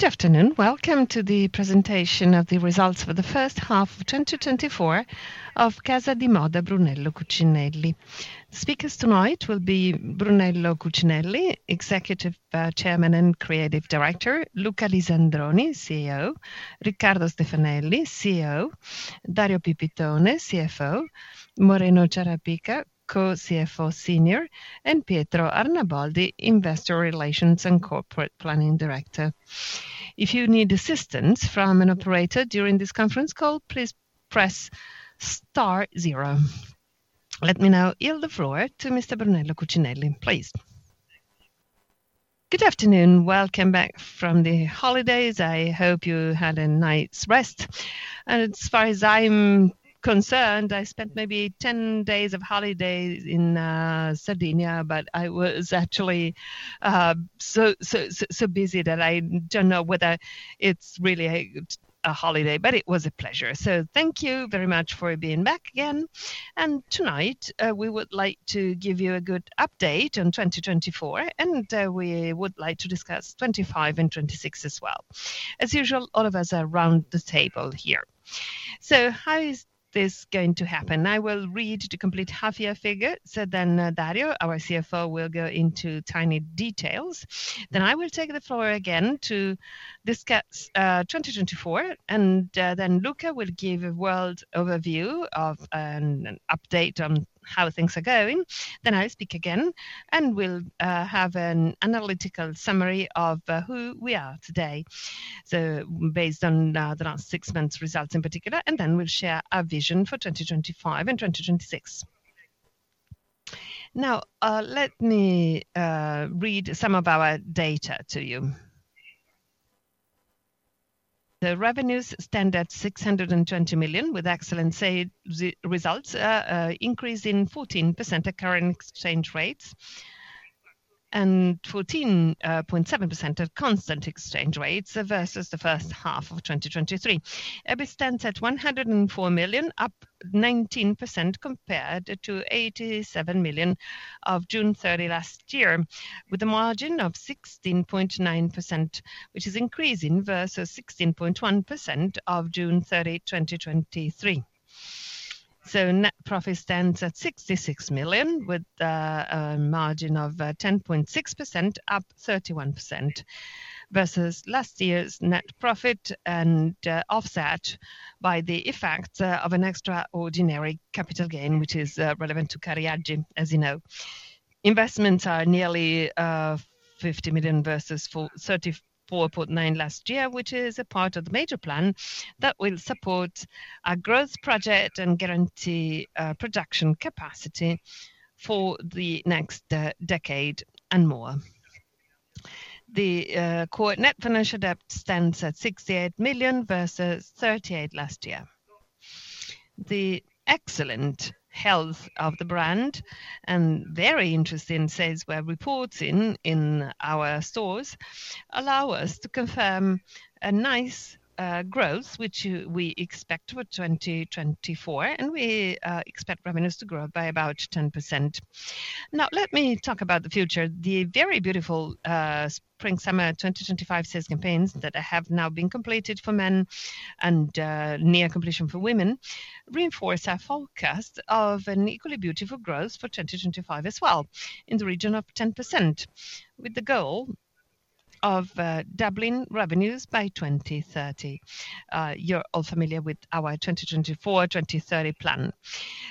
Good afternoon. Welcome to the presentation of the results for the first half of 2024 of Casa di Moda Brunello Cucinelli. Speakers tonight will be Brunello Cucinelli, Executive Chairman and Creative Director; Luca Lisandroni, CEO; Riccardo Stefanelli, CEO; Dario Pipitone, CFO; Moreno Ciarapica, Co-CFO and Senior Executive; and Pietro Arnaboldi, Investor Relations and Corporate Planning Director. If you need assistance from an operator during this conference call, please press star zero. Let me now yield the floor to Mr. Brunello Cucinelli, please. Good afternoon. Welcome back from the holidays. I hope you had a nice rest, and as far as I'm concerned, I spent maybe ten days of holiday in Sardinia, but I was actually so busy that I don't know whether it's really a holiday, but it was a pleasure. So thank you very much for being back again. Tonight, we would like to give you a good update on 2024, and we would like to discuss twenty-five and twenty-six as well. As usual, all of us are around the table here. So how is this going to happen? I will read the complete half-year figure, so then Dario, our CFO, will go into tiny details. Then I will take the floor again to discuss 2024, and then Luca will give a world overview of an update on how things are going. Then I'll speak again, and we'll have an analytical summary of who we are today, so based on the last six months' results in particular, and then we'll share our vision for 2025 and twenty twenty-six. Now, let me read some of our data to you. The revenues stand at 620 million, with excellent sales results, increase in 14% at current exchange rates and 14.7% at constant exchange rates versus the first half of 2023. EBIT stands at 104 million, up 19% compared to 87 million of June 30 last year, with a margin of 16.9%, which is increasing versus 16.1% of June 30, 2023. So net profit stands at 66 million, with a margin of 10.6%, up 31% versus last year's net profit and offset by the effect of an extraordinary capital gain, which is relevant to Cariaggi, as you know. Investments are nearly 50 million versus 34.9 million last year, which is a part of the major plan that will support our growth project and guarantee production capacity for the next decade and more. The core net financial debt stands at 68 million versus 38 million last year. The excellent health of the brand and very interesting sales reported in our stores allow us to confirm a nice growth, which we expect for 2024, and we expect revenues to grow by about 10%. Now, let me talk about the future. The very beautiful Spring/Summer 2025 sales campaigns that have now been completed for men and near completion for women reinforce our forecast of an equally beautiful growth for 2025 as well, in the region of 10%, with the goal of doubling revenues by 2030. You're all familiar with our 2024, 2030 plan.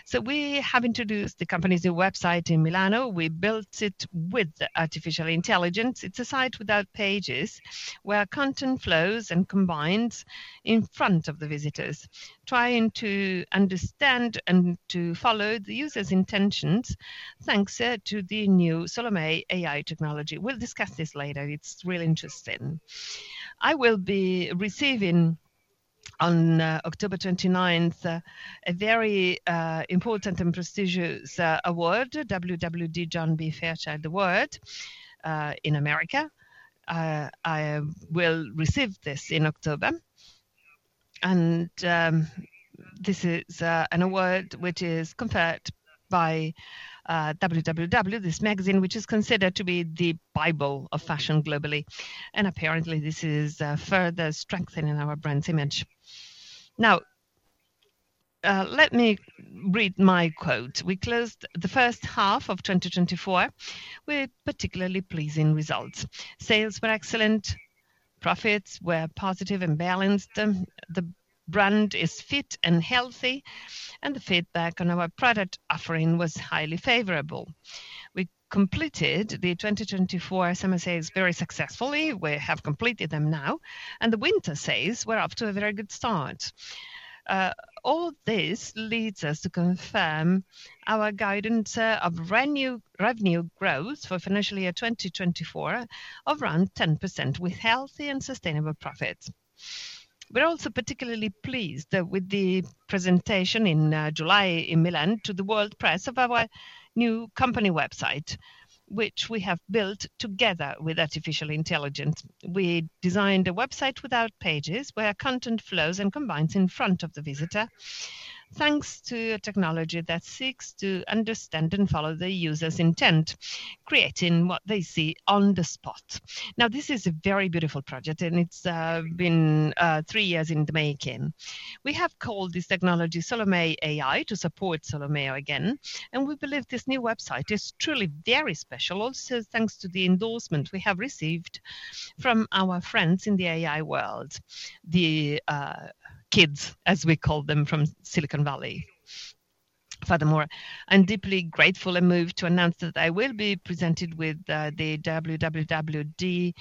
So we have introduced the company's new website in Milan. We built it with artificial intelligence. It's a site without pages, where content flows and combines in front of the visitors, trying to understand and to follow the user's intentions, thanks to the new Solomei AI technology. We'll discuss this later. It's really interesting. I will be receiving, on October 29th, a very important and prestigious award, WWD John B. Fairchild Award, in America. I will receive this in October, and this is an award which is conferred by WWD, this magazine, which is considered to be the Bible of fashion globally, and apparently, this is further strengthening our brand's image. Now, let me read my quote. "We closed the first half of 2024 with particularly pleasing results. Sales were excellent, profits were positive and balanced, the brand is fit and healthy, and the feedback on our product offering was highly favorable. We completed the 2024 summer sales very successfully. We have completed them now, and the winter sales were up to a very good start. All this leads us to confirm our guidance of brand new revenue growth for financial year 2024 of around 10%, with healthy and sustainable profits. We're also particularly pleased with the presentation in July in Milan to the world press of our new company website, which we have built together with artificial intelligence. We designed a website without pages, where content flows and combines in front of the visitor."... thanks to a technology that seeks to understand and follow the user's intent, creating what they see on the spot. Now, this is a very beautiful project, and it's been three years in the making. We have called this technology Solomei AI to support Solomeo again, and we believe this new website is truly very special, also thanks to the endorsement we have received from our friends in the AI world, the kids, as we call them, from Silicon Valley. Furthermore, I'm deeply grateful and moved to announce that I will be presented with the WWD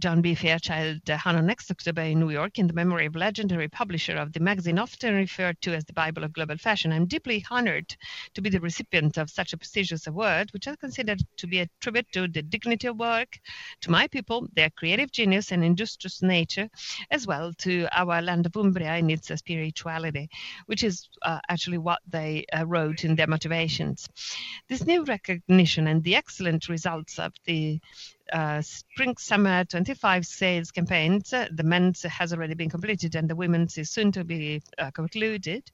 John B. Fairchild Award next October in New York, in the memory of legendary publisher of the magazine, often referred to as the Bible of global fashion. I'm deeply honored to be the recipient of such a prestigious award, which I consider to be a tribute to the dignity of work, to my people, their creative genius, and industrious nature, as well to our land of Umbria and its spirituality, which is actually what they wrote in their motivations. This new recognition and the excellent results of the spring, summer 2025 sales campaigns, the men's has already been completed and the women's is soon to be concluded,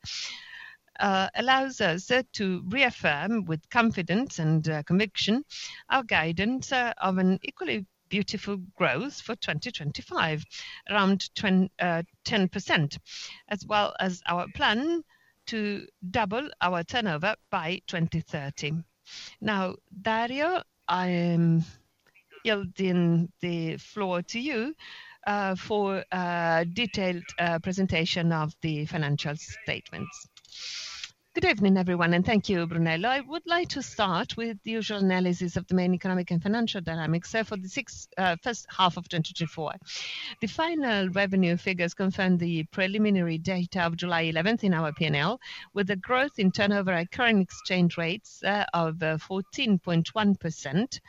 allows us to reaffirm with confidence and conviction our guidance of an equally beautiful growth for 2025, around 10%, as well as our plan to double our turnover by 2030. Now, Dario, I am yielding the floor to you for a detailed presentation of the financial statements. Good evening, everyone, and thank you, Brunello. I would like to start with the usual analysis of the main economic and financial dynamics for the first half of 2024. The final revenue figures confirm the preliminary data of July 11th in our P&L, with a growth in turnover at current exchange rates of 14.1%,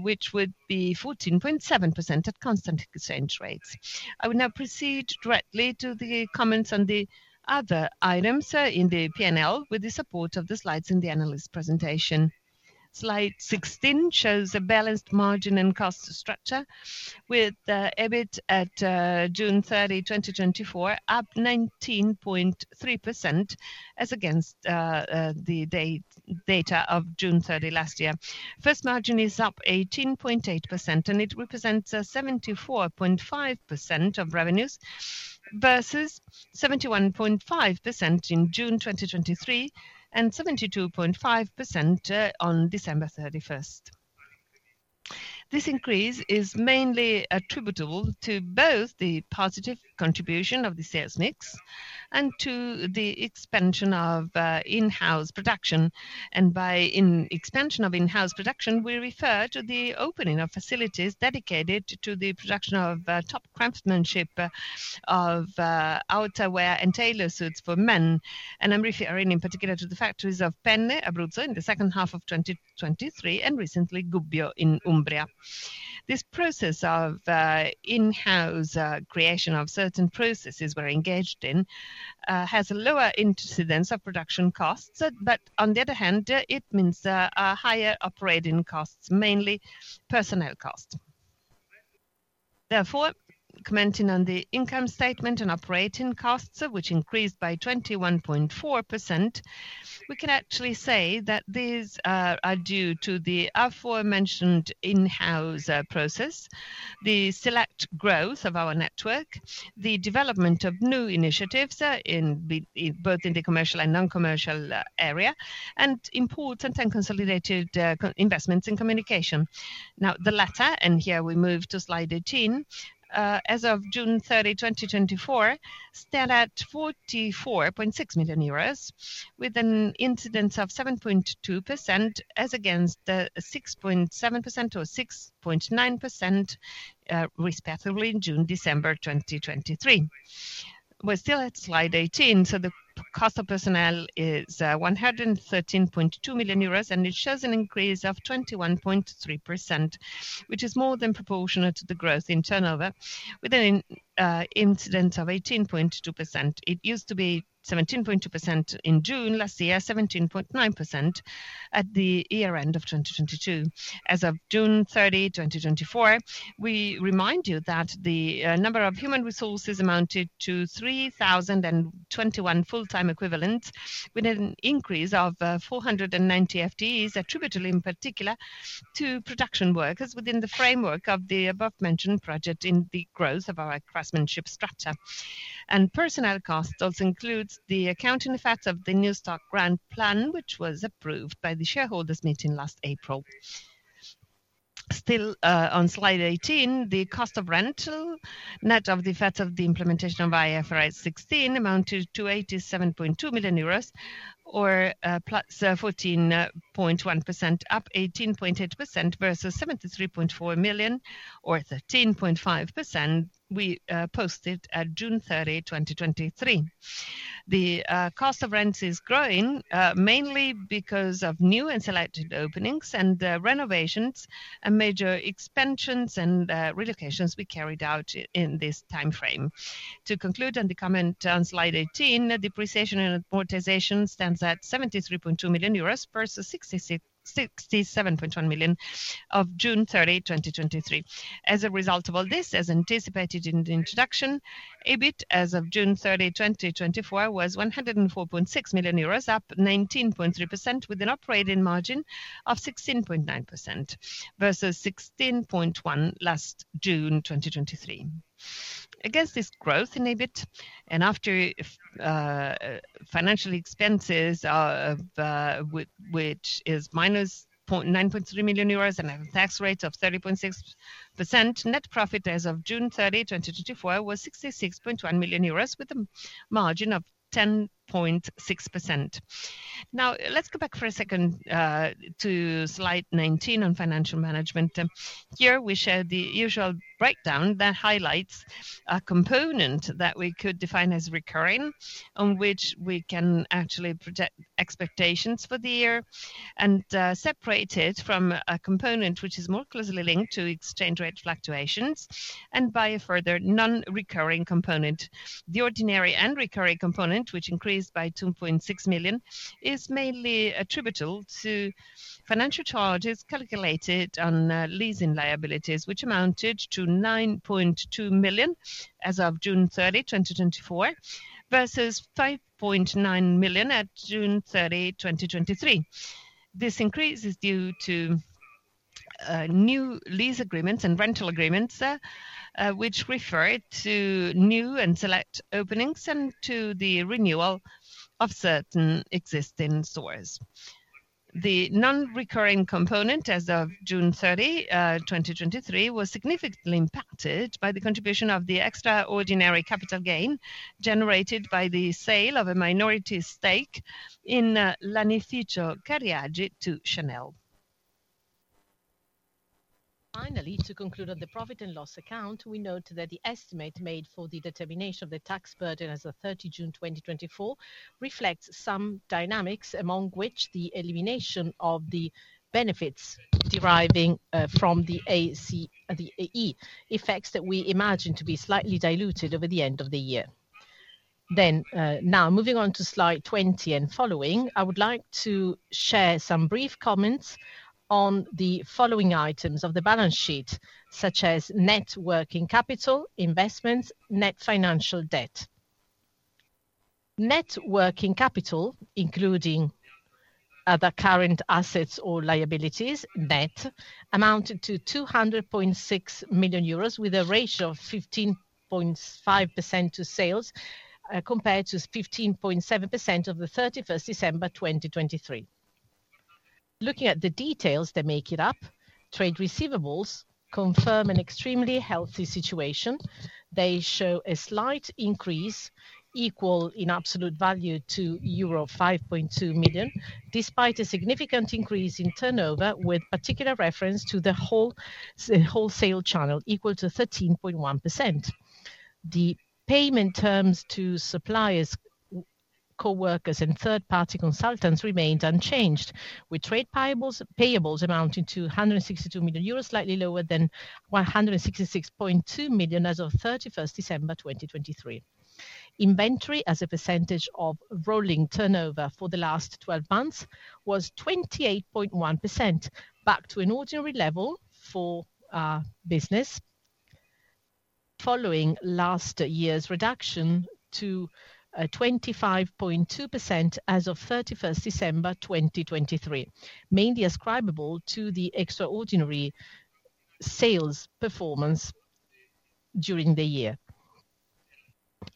which would be 14.7% at constant exchange rates. I will now proceed directly to the comments on the other items in the P&L, with the support of the slides in the analyst presentation. Slide 16 shows a balanced margin and cost structure, with EBIT at June 30, 2024, up 19.3%, as against the data of June 30 last year. Gross margin is up 18.8%, and it represents 74.5% of revenues, versus 71.5% in June 2023, and 72.5% on December 31. This increase is mainly attributable to both the positive contribution of the sales mix and to the expansion of in-house production. And by expansion of in-house production, we refer to the opening of facilities dedicated to the production of top craftsmanship of outerwear and tailored suits for men. And I'm referring in particular to the factories of Penne, Abruzzo, in the second half of 2023 and recently Gubbio in Umbria. This process of in-house creation of certain processes we're engaged in has a lower incidence of production costs, but on the other hand, it means a higher operating costs, mainly personnel costs. Therefore, commenting on the income statement and operating costs, which increased by 21.4%, we can actually say that these are due to the aforementioned in-house process, the select growth of our network, the development of new initiatives in both the commercial and non-commercial area, and important and consolidated co-investments in communication. Now, the latter, and here we move to slide 18, as of June 30, 2024, stand at 44.6 million euros, with an incidence of 7.2%, as against the 6.7% or 6.9%, respectively, in June, December 2023. We're still at slide 18, so the cost of personnel is 113.2 million euros, and it shows an increase of 21.3%, which is more than proportionate to the growth in turnover, with an incidence of 18.2%. It used to be 17.2% in June last year, 17.9% at the year end of 2022. As of June thirty, 2024, we remind you that the number of human resources amounted to three thousand and twenty-one full-time equivalents, with an increase of four hundred and ninety FTEs, attributable in particular to production workers within the framework of the above-mentioned project in the growth of our craftsmanship strata. Personnel costs also includes the accounting effects of the new Stock Grant Plan, which was approved by the shareholders meeting last April. Still on slide 18, the cost of rental, net of the effects of the implementation of IFRS 16, amounted to EUR 87.2 million or +14.1%, up 18.8% versus 73.4 million or 13.5%, we posted at June thirty, 2023. The cost of rents is growing mainly because of new and selected openings and renovations and major expansions and relocations we carried out in this time frame. To conclude on the comment on slide 18, depreciation and amortization stands at 73.2 million euros versus 67.1 million of June 30, 2023. As a result of all this, as anticipated in the introduction, EBIT as of June 30, 2024, was 104.6 million euros, up 19.3%, with an operating margin of 16.9% versus 16.1% last June 2023. Against this growth in EBIT and after financial expenses, which is minus 9.3 million euros and a tax rate of 30.6%, net profit as of June thirty, 2024, was 66.1 million euros, with a margin of 10.6%. Now, let's go back for a second to slide 19 on financial management. Here we share the usual breakdown that highlights a component that we could define as recurring, on which we can actually project expectations for the year, and separate it from a component which is more closely linked to exchange rate fluctuations, and by a further non-recurring component. The ordinary and recurring component, which increased by 2.6 million, is mainly attributable to financial charges calculated on leasing liabilities, which amounted to 9.2 million as of June 30, 2024, versus 5.9 million at June 30, 2023. This increase is due to new lease agreements and rental agreements, which refer to new and select openings and to the renewal of certain existing stores. The non-recurring component as of June 30, 2023, was significantly impacted by the contribution of the extraordinary capital gain generated by the sale of a minority stake in Cariaggi Lanificio to Chanel. Finally, to conclude on the profit and loss account, we note that the estimate made for the determination of the tax burden as of thirty June, 2024, reflects some dynamics, among which the elimination of the benefits deriving from the ACE effects that we imagine to be slightly diluted over the end of the year. Then, moving on to slide 20 and following, I would like to share some brief comments on the following items of the balance sheet, such as net working capital, investments, net financial debt. Net working capital, including other current assets or liabilities, net, amounted to 200.6 million euros, with a ratio of 15.5% to sales, compared to 15.7% of the December 31st, 2023. Looking at the details that make it up, trade receivables confirm an extremely healthy situation. They show a slight increase equal in absolute value to euro 5.2 million, despite a significant increase in turnover, with particular reference to the wholesale channel, equal to 13.1%. The payment terms to suppliers, coworkers, and third-party consultants remained unchanged, with trade payables amounting to 162 million euros, slightly lower than 166.2 million as of 31 December 2023. Inventory as a percentage of rolling turnover for the last twelve months was 28.1%, back to an ordinary level for our business, following last year's reduction to 25.2% as of December 31st, 2023, mainly ascribable to the extraordinary sales performance during the year.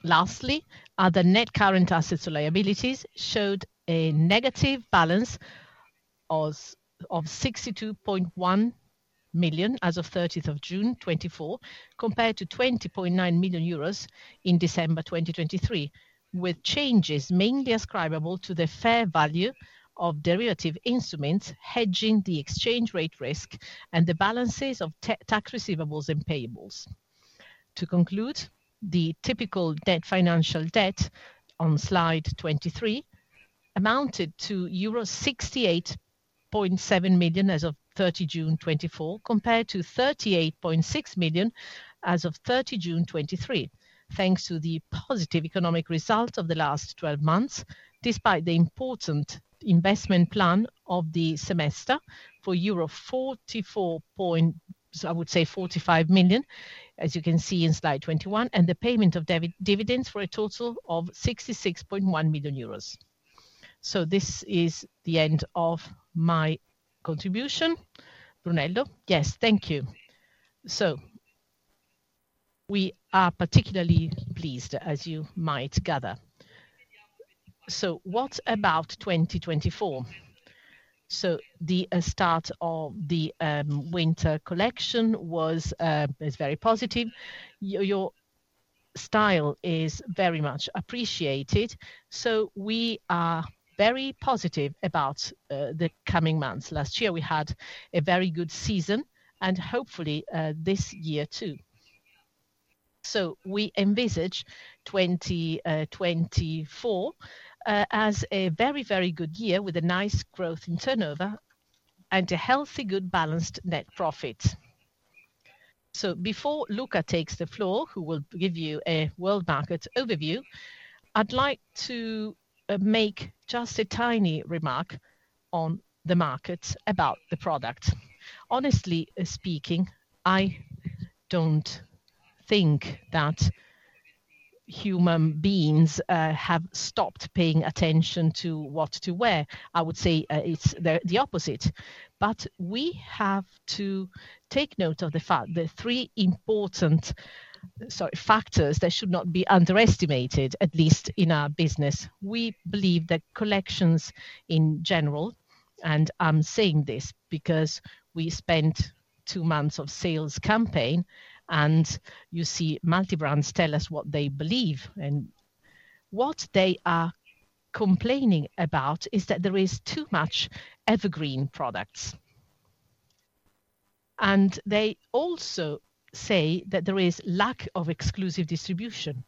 Lastly, the net current assets and liabilities showed a negative balance of 62.1 million as of 30th of June 2024, compared to 20.9 million euros in December 2023, with changes mainly ascribable to the fair value of derivative instruments, hedging the exchange rate risk and the balances of tax receivables and payables. To conclude, the typical debt, financial debt on slide 23 amounted to euro 68.7 million as of 30 June 2024, compared to 38.6 million as of 30 June 2023, thanks to the positive economic results of the last 12 months, despite the important investment plan of the semester for 45 million, as you can see in slide 21, and the payment of dividends for a total of 66.1 million euros. So this is the end of my contribution. Brunello? Yes, thank you. So we are particularly pleased, as you might gather. So what about 2024? So the start of the winter collection is very positive. Your style is very much appreciated, so we are very positive about the coming months. Last year we had a very good season and hopefully this year too. So we envisage 2024 as a very, very good year with a nice growth in turnover and a healthy, good, balanced net profit. So before Luca takes the floor, who will give you a world market overview, I'd like to make just a tiny remark on the market about the product. Honestly speaking, I don't think that human beings have stopped paying attention to what to wear. I would say it's the opposite. But we have to take note of the fact, the three important, sorry, factors that should not be underestimated, at least in our business. We believe that collections in general, and I'm saying this because we spent two months of sales campaign, and you see multi-brands tell us what they believe, and what they are complaining about is that there is too much evergreen products. And they also say that there is lack of exclusive distribution,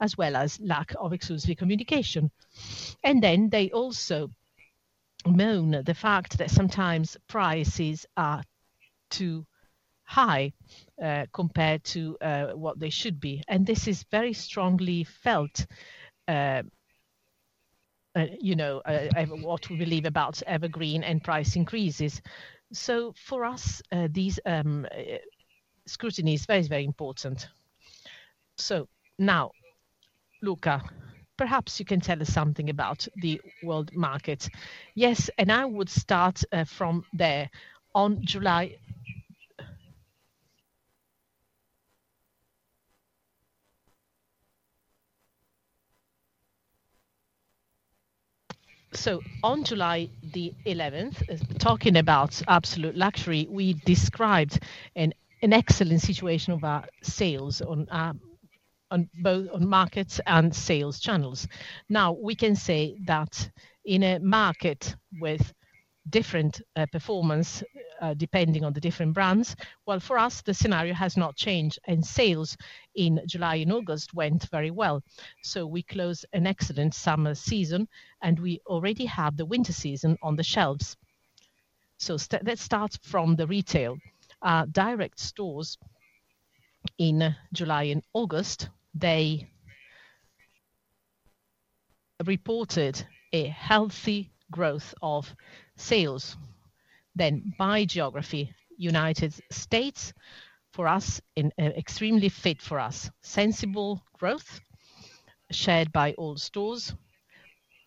as well as lack of exclusive communication. And then they also moan the fact that sometimes prices are too high, compared to what they should be, and this is very strongly felt. You know, and what we believe about evergreen and price increases. So for us, these scrutiny is very, very important. So now, Luca, perhaps you can tell us something about the world market. Yes, and I would start from there. On July the 11th, talking about absolute luxury, we described an excellent situation of our sales on both markets and sales channels. Now, we can say that in a market with different performance depending on the different brands, well, for us, the scenario has not changed, and sales in July and August went very well. So we closed an excellent summer season, and we already have the winter season on the shelves. So let's start from the retail. Our direct stores in July and August, they reported a healthy growth of sales. Then by geography, United States, for us, an extremely fit for us. Sensible growth shared by all stores.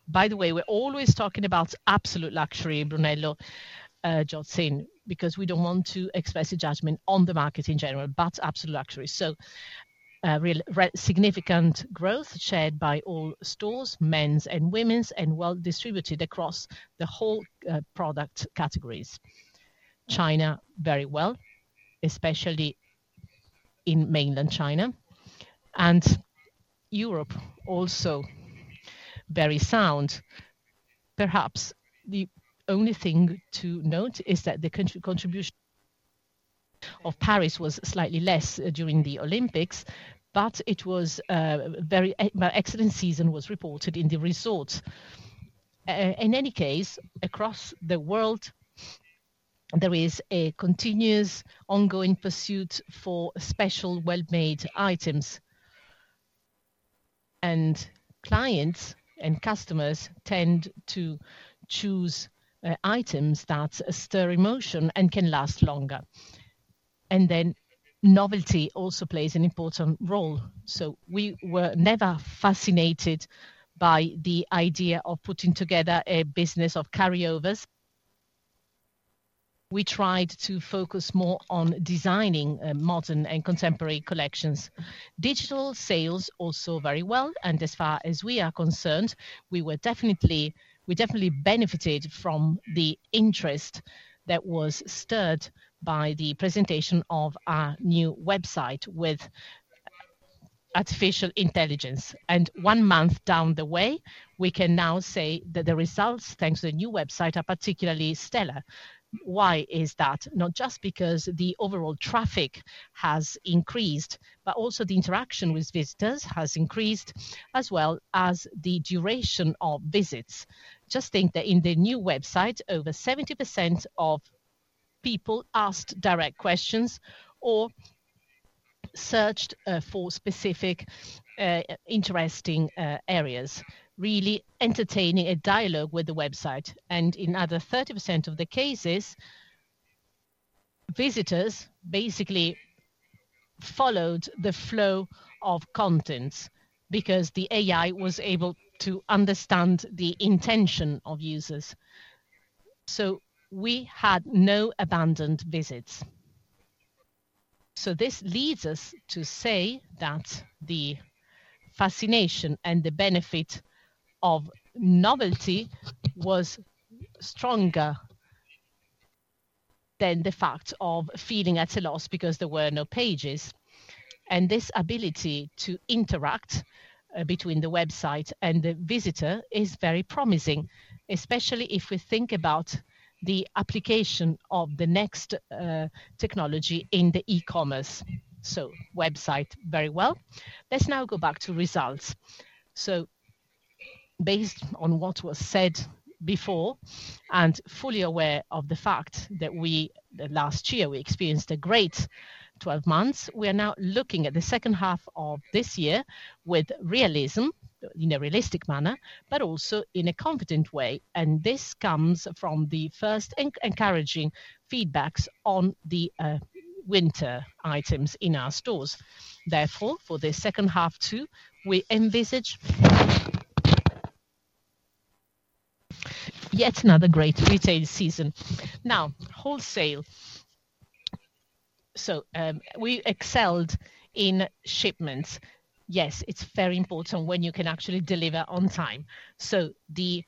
By the way, we're always talking about absolute luxury, Brunello Cucinelli, because we don't want to express a judgment on the market in general, but absolute luxury. So, significant growth shared by all stores, men's and women's, and well distributed across the whole product categories. China, very well, especially in mainland China, and Europe, also very sound. Perhaps the only thing to note is that the contribution of Paris was slightly less during the Olympics, but it was very, but excellent season was reported in the resorts. In any case, across the world, there is a continuous ongoing pursuit for special well-made items, and clients and customers tend to choose items that stir emotion and can last longer. And then novelty also plays an important role. So we were never fascinated by the idea of putting together a business of carryovers. We tried to focus more on designing modern and contemporary collections. Digital sales also very well, and as far as we are concerned, we definitely benefited from the interest that was stirred by the presentation of our new website with artificial intelligence, and one month down the way, we can now say that the results, thanks to the new website, are particularly stellar. Why is that? Not just because the overall traffic has increased, but also the interaction with visitors has increased, as well as the duration of visits. Just think that in the new website, over 70% of people asked direct questions or searched for specific interesting areas, really entertaining a dialogue with the website. And in other 30% of the cases, visitors basically followed the flow of contents because the AI was able to understand the intention of users, so we had no abandoned visits. So this leads us to say that the fascination and the benefit of novelty was stronger than the fact of feeling at a loss because there were no pages. And this ability to interact between the website and the visitor is very promising, especially if we think about the application of the next technology in the e-commerce. So website, very well. Let's now go back to results. So based on what was said before, and fully aware of the fact that we, last year, we experienced a great twelve months, we are now looking at the second half of this year with realism, in a realistic manner, but also in a confident way, and this comes from the first encouraging feedbacks on the winter items in our stores. Therefore, for the second half too, we envisage yet another great retail season. Now, wholesale. So, we excelled in shipments. Yes, it's very important when you can actually deliver on time. So the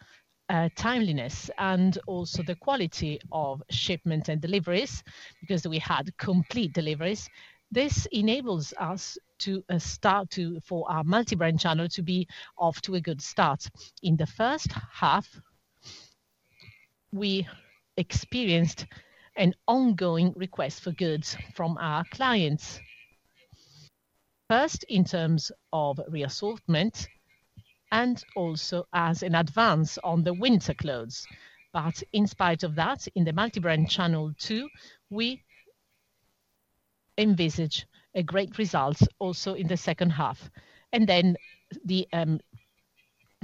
timeliness and also the quality of shipment and deliveries, because we had complete deliveries, this enables us to start to, for our multi-brand channel to be off to a good start. In the first half, we experienced an ongoing request for goods from our clients. First, in terms of reassortment, and also as an advance on the winter clothes. But in spite of that, in the multi-brand channel too, we envisage a great result also in the second half. Then,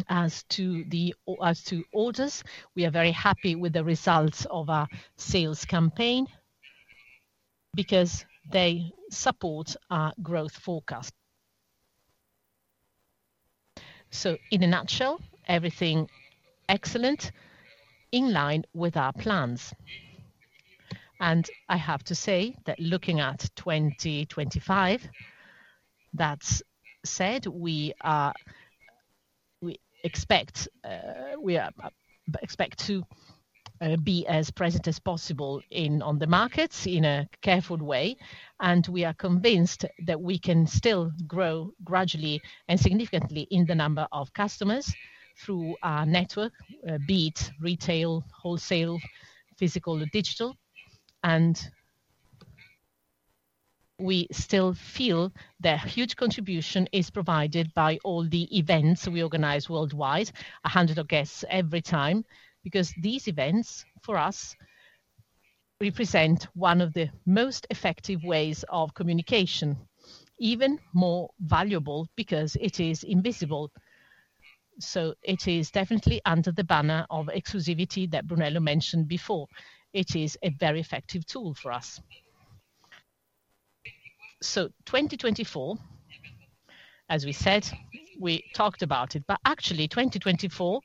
as to orders, we are very happy with the results of our sales campaign because they support our growth forecast. So in a nutshell, everything excellent, in line with our plans. I have to say that looking at 2025, that said, we expect to be as present as possible in on the markets in a careful way, and we are convinced that we can still grow gradually and significantly in the number of customers through our network, be it retail, wholesale, physical or digital. We still feel the huge contribution is provided by all the events we organize worldwide, 100 guests every time, because these events, for us, represent one of the most effective ways of communication, even more valuable because it is invisible. It is definitely under the banner of exclusivity that Brunello mentioned before. It is a very effective tool for us. 2024, as we said, we talked about it, but actually, 2024,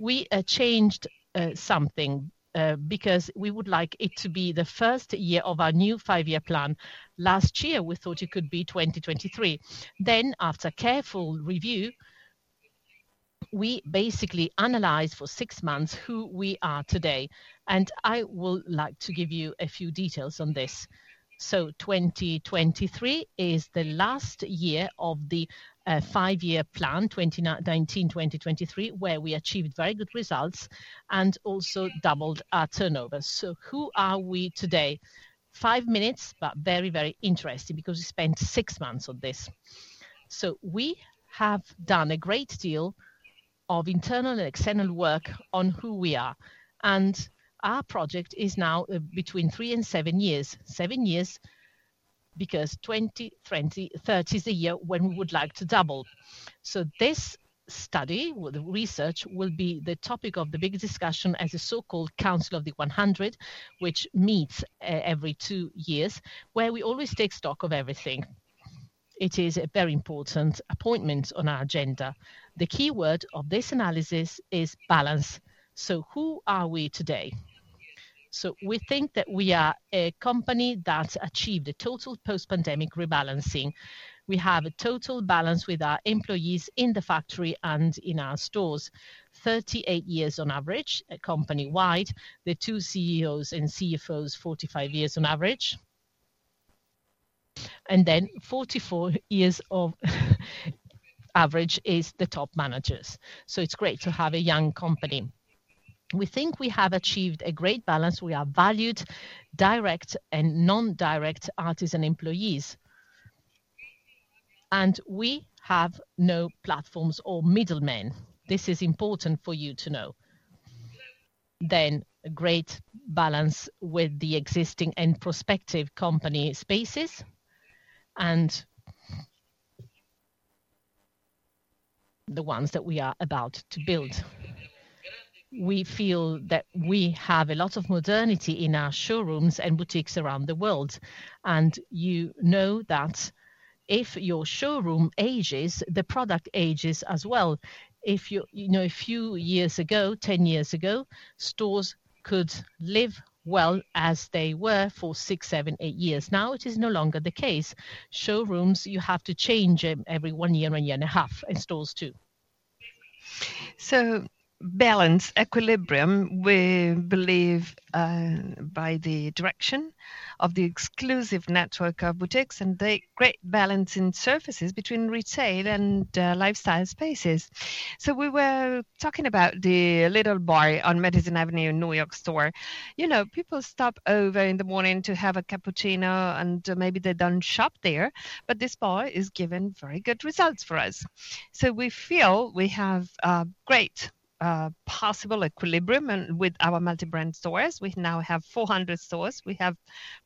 we changed something, because we would like it to be the first year of our new five-year plan. Last year, we thought it could be 2023. After careful review, we basically analyzed for six months who we are today, and I would like to give you a few details on this. 2023 is the last year of the five-year plan, 2019-2023, where we achieved very good results and also doubled our turnover. So who are we today? Five minutes, but very, very interesting because we spent six months on this. So we have done a great deal of internal and external work on who we are, and our project is now between three and seven years. Seven years, because 2030 is the year when we would like to double. So this study, well, the research, will be the topic of the big discussion as a so-called Council of the 100, which meets every two years, where we always take stock of everything. It is a very important appointment on our agenda. The keyword of this analysis is balance. So who are we today? So we think that we are a company that's achieved a total post-pandemic rebalancing. We have a total balance with our employees in the factory and in our stores. Thirty-eight years on average, company-wide. The two CEOs and CFOs, 45 years on average. And then forty-four years of average is the top managers. So it's great to have a young company. We think we have achieved a great balance. We are valued, direct and non-direct artisan employees, and we have no platforms or middlemen. This is important for you to know. Then, a great balance with the existing and prospective company spaces, and the ones that we are about to build. We feel that we have a lot of modernity in our showrooms and boutiques around the world, and you know that if your showroom ages, the product ages as well. If you. You know, a few years ago, ten years ago, stores could live well as they were for six, seven, eight years. Now, it is no longer the case. Showrooms, you have to change every one year, one year and a half, and stores, too. So balance, equilibrium, we believe by the direction of the exclusive network of boutiques, and the great balance in surfaces between retail and lifestyle spaces. So we were talking about the little bar on Madison Avenue in New York store. You know, people stop over in the morning to have a cappuccino, and maybe they don't shop there, but this bar is giving very good results for us. So we feel we have great possible equilibrium and with our multi-brand stores. We now have 400 stores. We have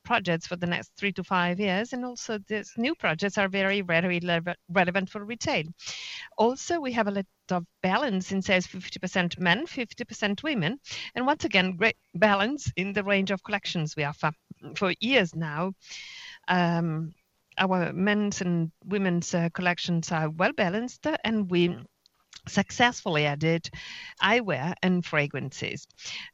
projects for the next three to five years, and also these new projects are very, very relevant for retail. Also, we have a lot of balance in sales, 50% men, 50% women, and once again, great balance in the range of collections we offer. For years now. Our men's and women's collections are well-balanced, and we successfully added eyewear and fragrances.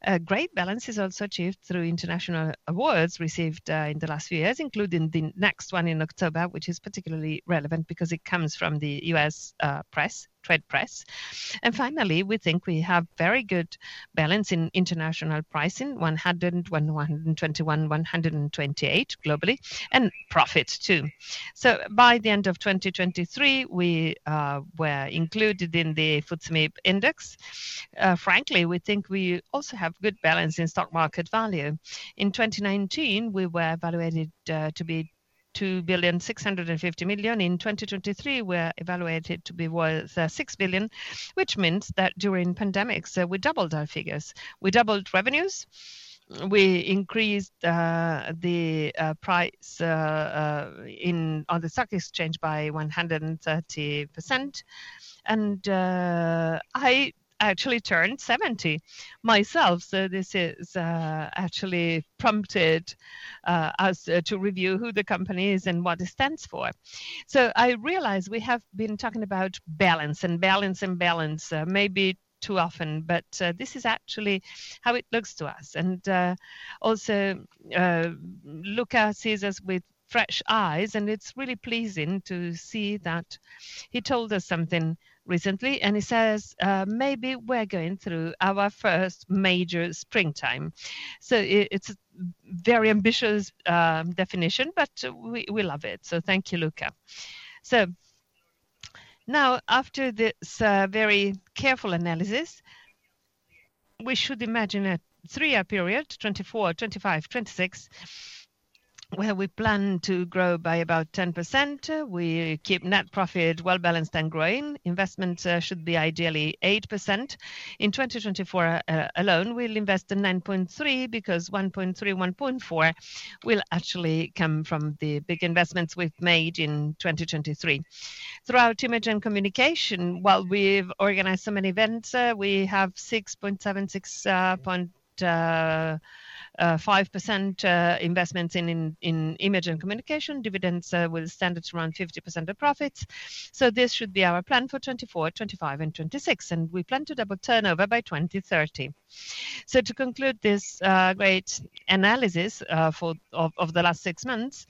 A great balance is also achieved through international awards received in the last few years, including the next one in October, which is particularly relevant because it comes from the U.S. press, trade press. And finally, we think we have very good balance in international pricing, 101, 121, 128 globally, and profit, too. So by the end of 2023, we were included in the FTSE MIB index. Frankly, we think we also have good balance in stock market value. In 2019, we were evaluated to be €2.65 billion. In 2023, we're evaluated to be worth €6 billion, which means that during pandemic, so we doubled our figures. We doubled revenues, we increased the price on the stock exchange by 130%, and I actually turned 70 myself, so this is actually prompted us to review who the company is and what it stands for. So I realize we have been talking about balance, maybe too often, but this is actually how it looks to us. Also, Luca sees us with fresh eyes, and it's really pleasing to see that. He told us something recently, and he says, "Maybe we're going through our first major springtime." So it's a very ambitious definition, but we love it. So thank you, Luca. So now, after this very careful analysis, we should imagine a three-year period, 2024, 2025, 2026, where we plan to grow by about 10%. We keep net profit well-balanced and growing. Investment should be ideally 8%. In 2024 alone, we'll invest in 9.3%, because 1.3%-1.4% will actually come from the big investments we've made in 2023. Throughout image and communication, while we've organized so many events, we have 6.7%, 6.5% investments in image and communication. Dividends with standards around 50% of profits, so this should be our plan for 2024, 2025 and 2026, and we plan to double turnover by 2030, so to conclude this great analysis, for... Over the last six months,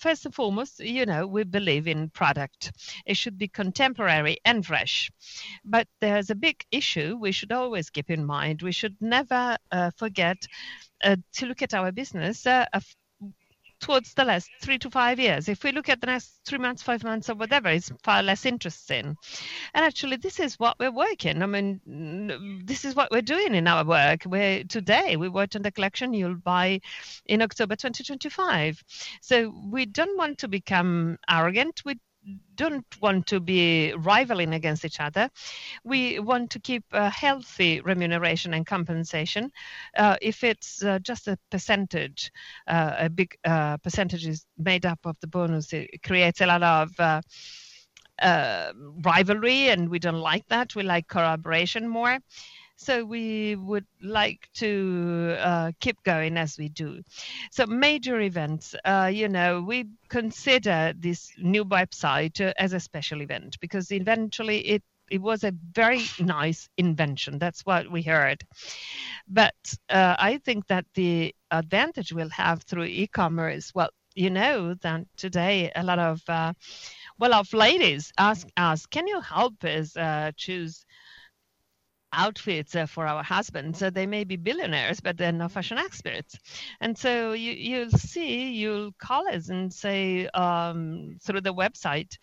first and foremost, you know, we believe in product. It should be contemporary and fresh. But there's a big issue we should always keep in mind. We should never forget to look at our business over the last three to five years. If we look at the next three months, five months or whatever, it's far less interesting. And actually, this is what we're working. I mean, this is what we're doing in our work, where today we worked on the collection you'll buy in October 2025. So we don't want to become arrogant, we don't want to be rivaling against each other. We want to keep a healthy remuneration and compensation. If it's just a percentage, a big percentage is made up of the bonus, it creates a lot of rivalry, and we don't like that. We like collaboration more. So we would like to keep going as we do. So major events, you know, we consider this new website as a special event because eventually, it was a very nice invention. That's what we heard. But I think that the advantage we'll have through e-commerce. Well, you know that today, a lot of well-off ladies ask us, "Can you help us choose outfits for our husbands?" So they may be billionaires, but they're not fashion experts. And so you, you'll see, you'll call us and say through the website,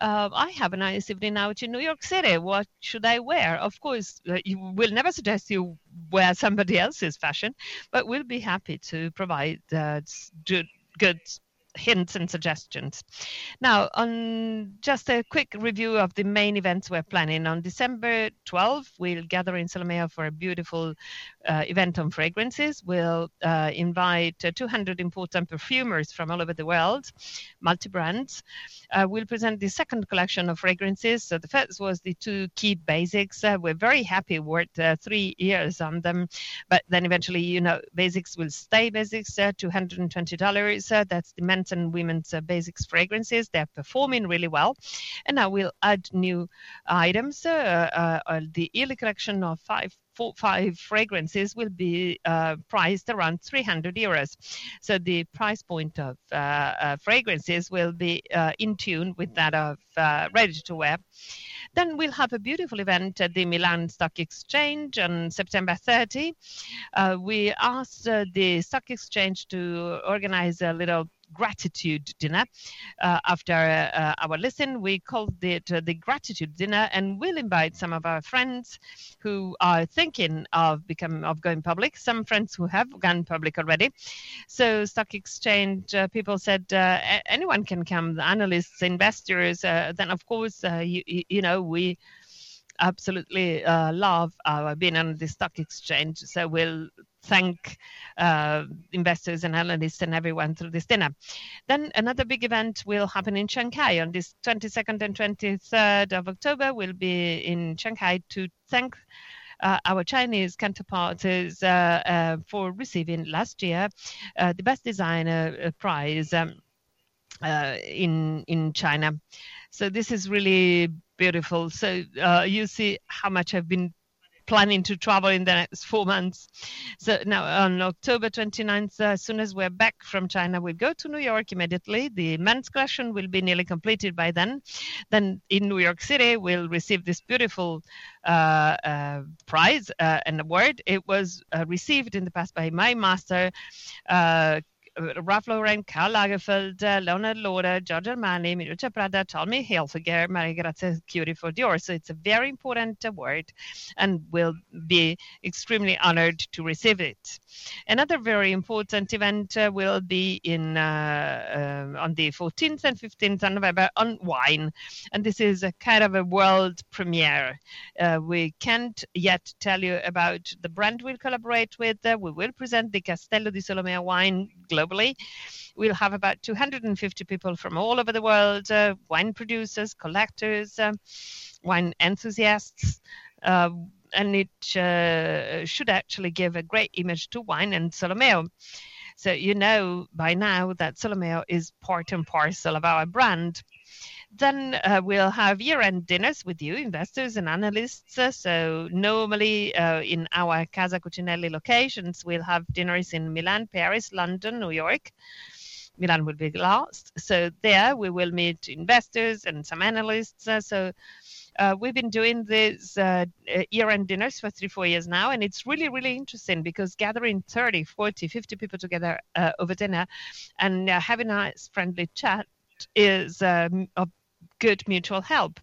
"I have a nice evening out in New York City. What should I wear?" Of course, we'll never suggest you wear somebody else's fashion, but we'll be happy to provide good, good hints and suggestions. Now, on just a quick review of the main events we're planning. On December twelve, we'll gather in Solomeo for a beautiful event on fragrances. We'll invite two hundred important perfumers from all over the world, multi-brands. We'll present the second collection of fragrances, so the first was the two key basics. We're very happy we worked three years on them, but then eventually, you know, basics will stay basics, $220. That's the men's and women's basics fragrances. They're performing really well, and now we'll add new items. The yearly collection of four, five fragrances will be priced around 300 euros. So the price point of fragrances will be in tune with that of ready-to-wear. Then we'll have a beautiful event at the Milan Stock Exchange on September thirty. We asked the stock exchange to organize a little gratitude dinner after our listing. We called it the gratitude dinner, and we'll invite some of our friends who are thinking of going public, some friends who have gone public already. So stock exchange people said anyone can come, the analysts, investors. Then, of course, you know, we absolutely love being on the stock exchange, so we'll thank investors and analysts and everyone through this dinner. Then another big event will happen in Shanghai. On this twenty-second and twenty-third of October, we'll be in Shanghai to thank our Chinese counterparts for receiving last year the Best Designer prize in China. So this is really beautiful. You see how much I've been planning to travel in the next four months. So now, on October 29th, as soon as we're back from China, we go to New York immediately. The men's collection will be nearly completed by then. Then, in New York City, we'll receive this beautiful prize, an award. It was received in the past by my master, Ralph Lauren, Karl Lagerfeld, Yves Saint Laurent, Giorgio Armani, Miuccia Prada, Tommy Hilfiger, Maria Grazia Chiuri for Dior. So it's a very important award, and we'll be extremely honored to receive it. Another very important event will be on the 14th and 15th of November on wine, and this is a kind of a world premiere. We can't yet tell you about the brand we'll collaborate with. We will present the Castello di Solomeo wine globally. We'll have about 250 people from all over the world, wine producers, collectors, wine enthusiasts. And it should actually give a great image to wine and Solomeo. So you know by now that Solomeo is part and parcel of our brand. Then, we'll have year-end dinners with you, investors and analysts. So normally, in our Casa Cucinelli locations, we'll have dinners in Milan, Paris, London, New York. Milan will be last. So there, we will meet investors and some analysts. So, we've been doing these year-end dinners for three, four years now, and it's really, really interesting because gathering 30, 40, 50 people together over dinner, and having a nice friendly chat is a good mutual help.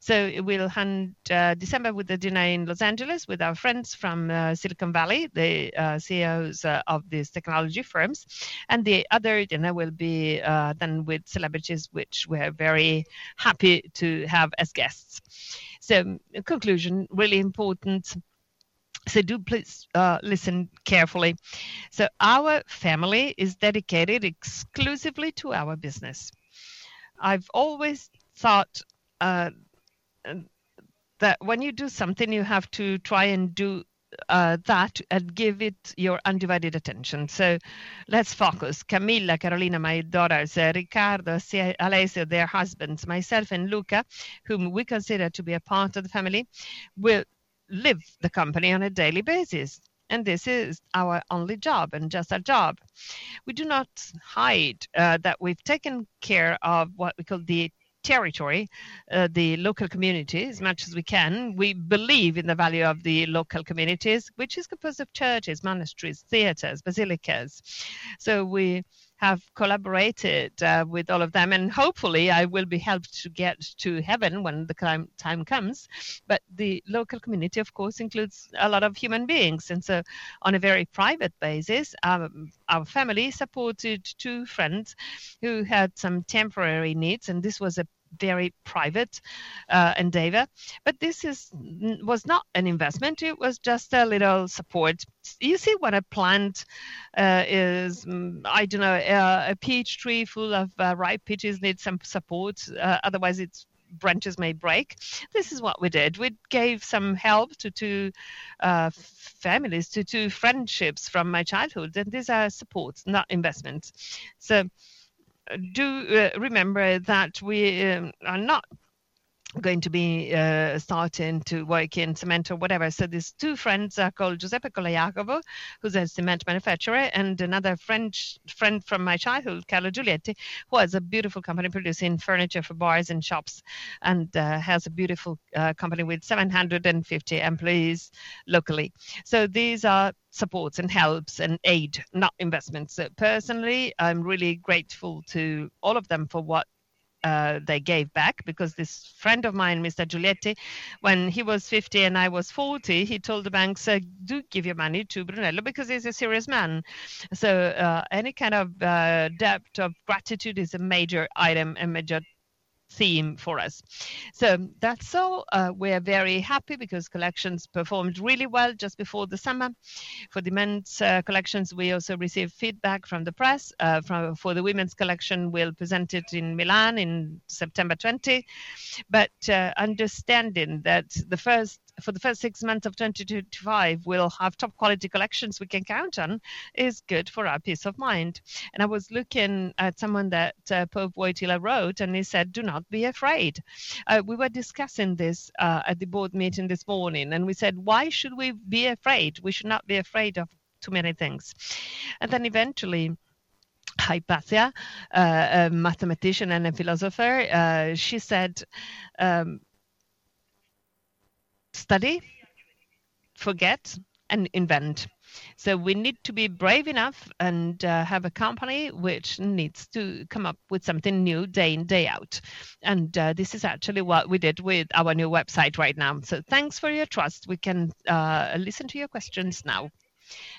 So we'll end December with a dinner in Los Angeles with our friends from Silicon Valley, the CEOs of these technology firms. And the other dinner will be then with celebrities, which we're very happy to have as guests. So in conclusion, really important, so do please listen carefully. So our family is dedicated exclusively to our business. I've always thought that when you do something, you have to try and do that and give it your undivided attention. So let's focus. Camilla, Carolina, my daughters, Riccardo, and, Alessio, their husbands, myself and Luca, whom we consider to be a part of the family, we live the company on a daily basis, and this is our only job and just a job. We do not hide that we've taken care of what we call the territory, the local community, as much as we can. We believe in the value of the local communities, which is composed of churches, monasteries, theaters, basilicas. So we have collaborated with all of them, and hopefully, I will be helped to get to heaven when the time comes. But the local community, of course, includes a lot of human beings. And so on a very private basis, our family supported two friends who had some temporary needs, and this was a very private endeavor. But this is. It was not an investment. It was just a little support. You see, when a plant is, I don't know, a peach tree full of ripe peaches needs some support, otherwise its branches may break. This is what we did. We gave some help to two families, to two friendships from my childhood, and these are supports, not investments. So do remember that we are not going to be starting to work in cement or whatever. So these two friends are called Giuseppe Colaiacovo, who's a cement manufacturer, and another French friend from my childhood, Carlo Giulietti, who has a beautiful company producing furniture for bars and shops, and has a beautiful company with 750 employees locally. So these are supports and helps and aid, not investments. Personally, I'm really grateful to all of them for what they gave back, because this friend of mine, Mr. Giulietti, when he was 50 and I was 40, he told the bank, "So do give your money to Brunello because he's a serious man," so any kind of debt of gratitude is a major item and major theme for us, so that's all. We're very happy because collections performed really well just before the summer. For the men's collections, we also received feedback from the press. For the women's collection, we'll present it in Milan in September 20, but understanding that for the first six months of 2025, we'll have top-quality collections we can count on, is good for our peace of mind. And I was looking at something that, Pope Wojtyla wrote, and he said, "Do not be afraid." We were discussing this at the board meeting this morning, and we said, "Why should we be afraid? We should not be afraid of too many things." And then eventually, Hypatia, a mathematician and a philosopher, she said, "Study, forget, and invent." So we need to be brave enough and have a company which needs to come up with something new day in, day out, and this is actually what we did with our new website right now. So thanks for your trust. We can listen to your questions now.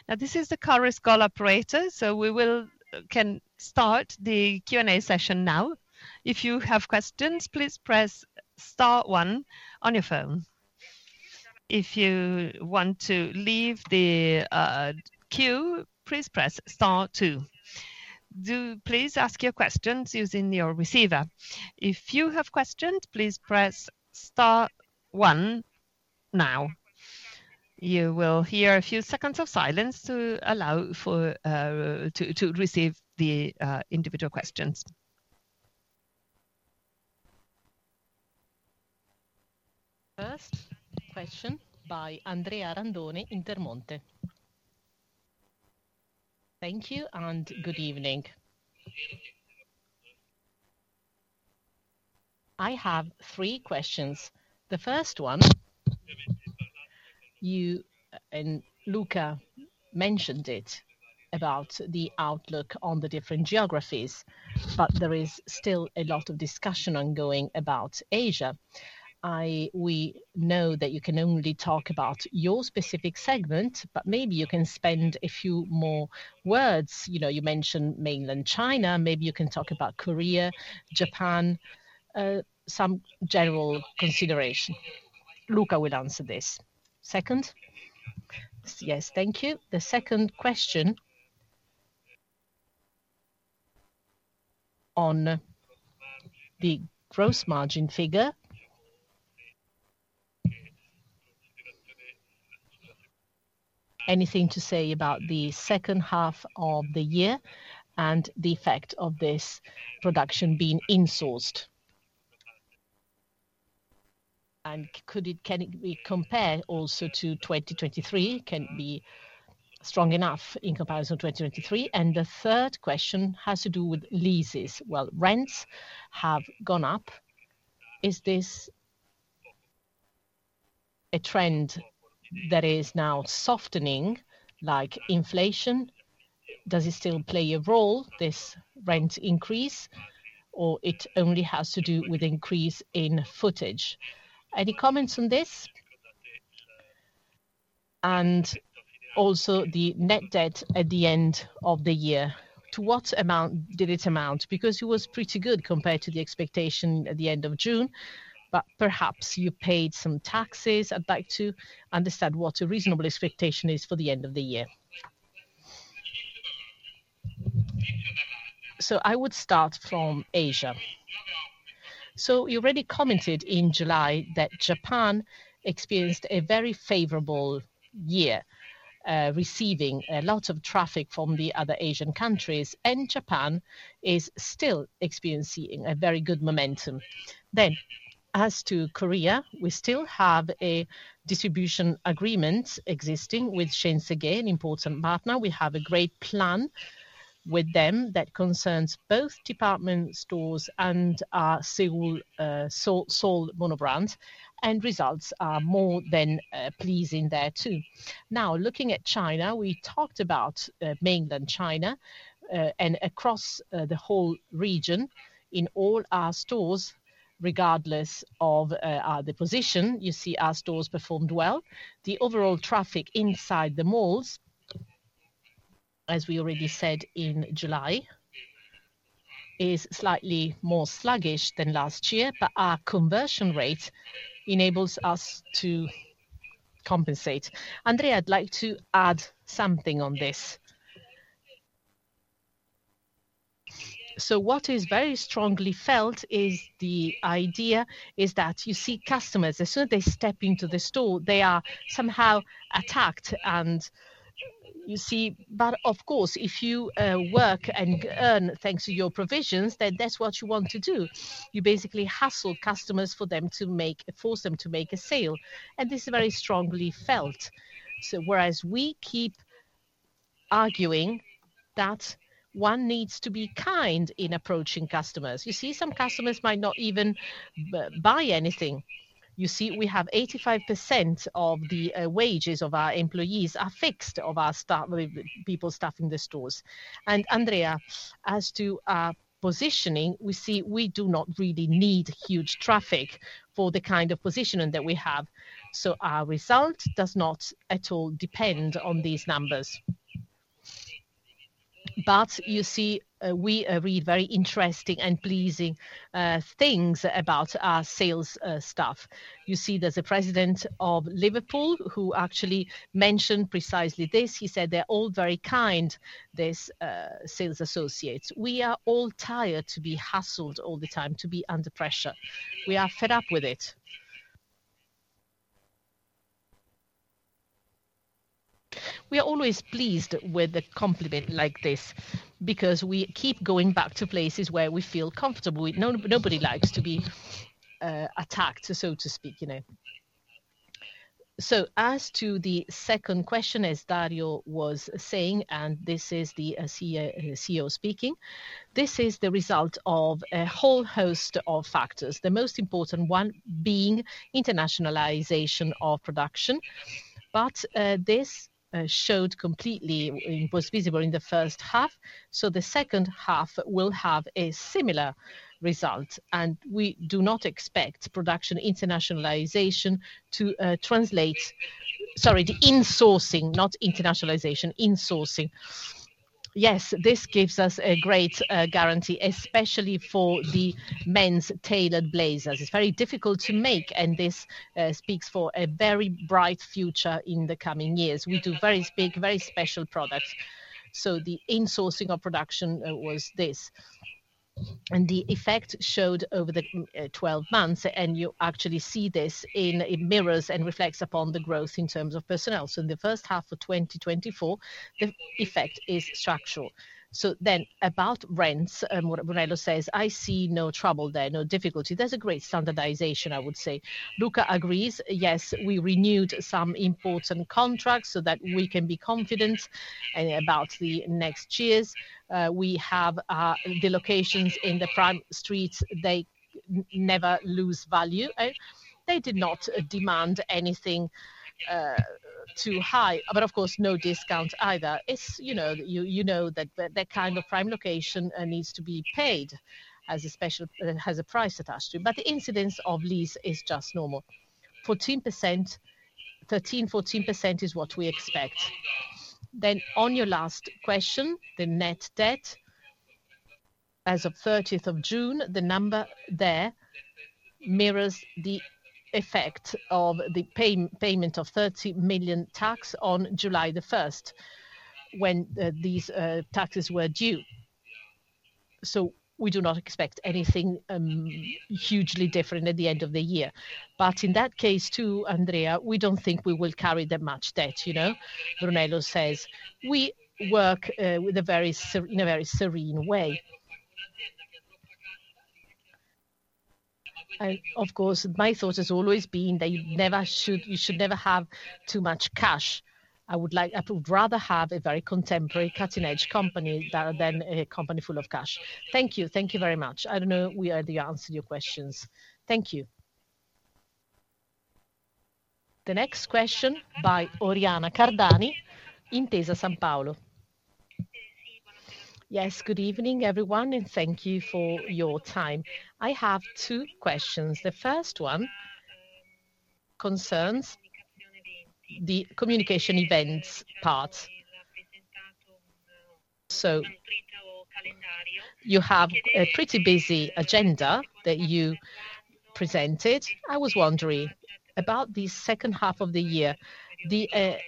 Now, this is the conference call operator, so we can start the Q&A session now. If you have questions, please press star one on your phone. If you want to leave the queue, please press star two. Do please ask your questions using your receiver. If you have questions, please press star one now. You will hear a few seconds of silence to allow for to receive the individual questions. First question by Andrea Randone, Intermonte. Thank you, and good evening. I have three questions. The first one, you and Luca mentioned it, about the outlook on the different geographies, but there is still a lot of discussion ongoing about Asia. We know that you can only talk about your specific segment, but maybe you can spend a few more words. You know, you mentioned mainland China, maybe you can talk about Korea, Japan, some general consideration. Luca will answer this. Second? Yes. Yes, thank you. The second question on gross margin, the gross margin figure. Anything to say about the second half of the year and the effect of this production being insourced? And could it, can it be compared also to 2023? Can it be strong enough in comparison to 2023? And the third question has to do with leases. Well, rents have gone up. Is this a trend that is now softening, like inflation? Does it still play a role, this rent increase, or it only has to do with increase in footage? Any comments on this? And also the net debt at the end of the year, to what amount did it amount? Because it was pretty good compared to the expectation at the end of June, but perhaps you paid some taxes. I'd like to understand what a reasonable expectation is for the end of the year. So I would start from Asia. So you already commented in July that Japan experienced a very favorable year, receiving lots of traffic from the other Asian countries, and Japan is still experiencing a very good momentum. Then, as to Korea, we still have a distribution agreement existing with Shinsegae, an important partner. We have a great plan with them that concerns both department stores and our Seoul monobrand, and results are more than pleasing there, too. Now, looking at China, we talked about mainland China and across the whole region, in all our stores, regardless of the position. You see our stores performed well. The overall traffic inside the malls, as we already said in July, is slightly more sluggish than last year, but our conversion rate enables us to compensate. Andrea, I'd like to add something on this. So what is very strongly felt is the idea is that you see customers, as soon as they step into the store, they are somehow attacked and, you see. But of course, if you work and earn thanks to your commissions, then that's what you want to do. You basically hassle customers to force them to make a sale, and this is very strongly felt. So whereas we keep arguing that one needs to be kind in approaching customers. You see, some customers might not even buy anything. You see, we have 85% of the wages of our employees are fixed, of our staff, the people staffing the stores. And Andrea, as to our positioning, we see we do not really need huge traffic for the kind of positioning that we have, so our result does not at all depend on these numbers. But you see, we read very interesting and pleasing things about our sales staff. You see, there's a president of Liverpool who actually mentioned precisely this. He said they're all very kind, these sales associates. We are all tired to be hassled all the time, to be under pressure. We are fed up with it. We are always pleased with a compliment like this because we keep going back to places where we feel comfortable. No, nobody likes to be attacked, so to speak, you know? So as to the second question, as Dario was saying, and this is the CEO, CEO speaking, this is the result of a whole host of factors, the most important one being internationalization of production. But this showed completely, it was visible in the first half, so the second half will have a similar result, and we do not expect production internationalization to translate. Sorry, insourcing, not internationalization, insourcing. Yes, this gives us a great guarantee, especially for the men's tailored blazers. It's very difficult to make, and this speaks for a very bright future in the coming years. We do very special, very special products, so the insourcing of production was this and the effect showed over the twelve months, and you actually see this in, it mirrors and reflects upon the growth in terms of personnel. So in the first half of 2024, the effect is structural. So then about rents, and what Brunello says, I see no trouble there, no difficulty. There's a great standardization, I would say. Luca agrees, yes, we renewed some important contracts so that we can be confident about the next years. We have the locations in the prime streets, they never lose value, eh? They did not demand anything too high, but of course, no discount either. It's, you know, you know that kind of prime location needs to be paid as a special. It has a price attached to it. But the incidence of lease is just normal. 14%, 13%-14% is what we expect. Then on your last question, the net debt, as of 30th of June, the number there mirrors the effect of the payment of 30 million tax on July the 1st, when these taxes were due. So we do not expect anything hugely different at the end of the year. But in that case, too, Andrea, we don't think we will carry that much debt, you know? Brunello says, "We work in a very serene way." And of course, my thought has always been that you never should. You should never have too much cash. I would like. I would rather have a very contemporary, cutting-edge company than a company full of cash. Thank you. Thank you very much. I don't know we heard the answer to your questions. Thank you. The next question by Oriana Cardani, Intesa Sanpaolo. Yes, good evening, everyone, and thank you for your time. I have two questions. The first one concerns the communication events part. So you have a pretty busy agenda that you presented. I was wondering about the second half of the year, the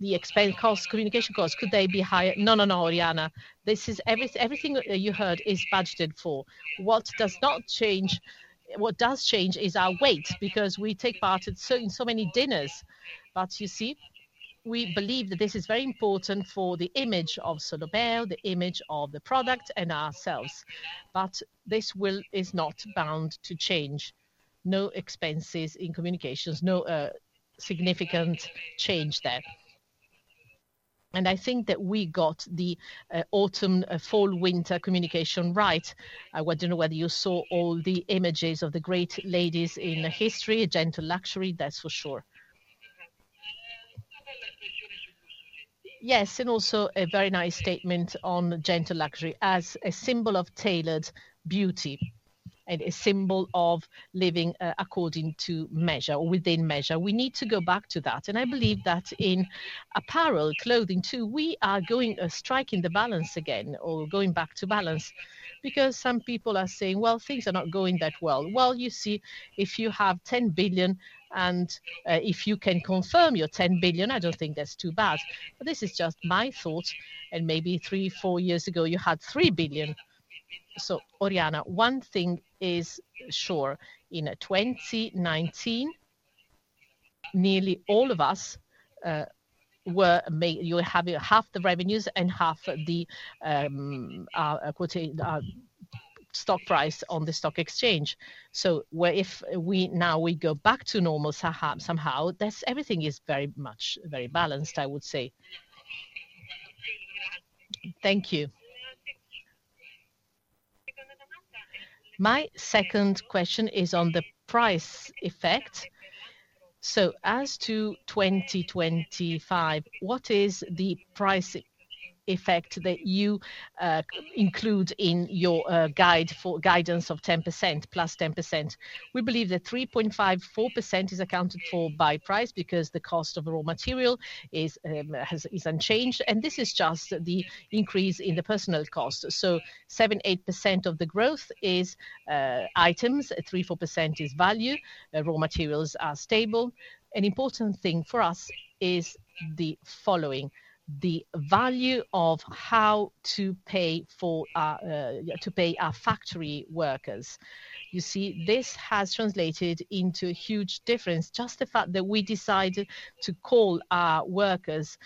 expense costs, communication costs, could they be higher? No, no, no, Oriana, this is everything that you heard is budgeted for. What does not change. What does change is our weight, because we take part in so many dinners, but you see, we believe that this is very important for the image of Solomeo, the image of the product, and ourselves, but this is not bound to change. No expenses in communications, no significant change there, and I think that we got the autumn fall/winter communication right. I wonder whether you saw all the images of the great ladies in history, gentle luxury, that's for sure. Yes, and also a very nice statement on gentle luxury as a symbol of tailored beauty and a symbol of living according to measure or within measure. We need to go back to that, and I believe that in apparel, clothing too, we are striking the balance again or going back to balance. Because some people are saying, "Well, things are not going that well." Well, you see, if you have ten billion and, if you can confirm your ten billion, I don't think that's too bad. But this is just my thought, and maybe three, four years ago, you had three billion. So Oriana, one thing is sure, in 2019, nearly all of us, were you have half the revenues and half the, quote, stock price on the stock exchange. So where if we, now we go back to normal somehow, that's everything is very much very balanced, I would say. Thank you. My second question is on the price effect. So as to 2025, what is the price effect that you, include in your, guide for, guidance of 10%, +10%? We believe that 3.5%-4% is accounted for by price because the cost of raw material is unchanged, and this is just the increase in the personal cost. So 7%-8% of the growth is items, 3-4% is value. The raw materials are stable. An important thing for us is the following: the value of how to pay for to pay our factory workers. You see, this has translated into a huge difference. Just the fact that we decided to call our workers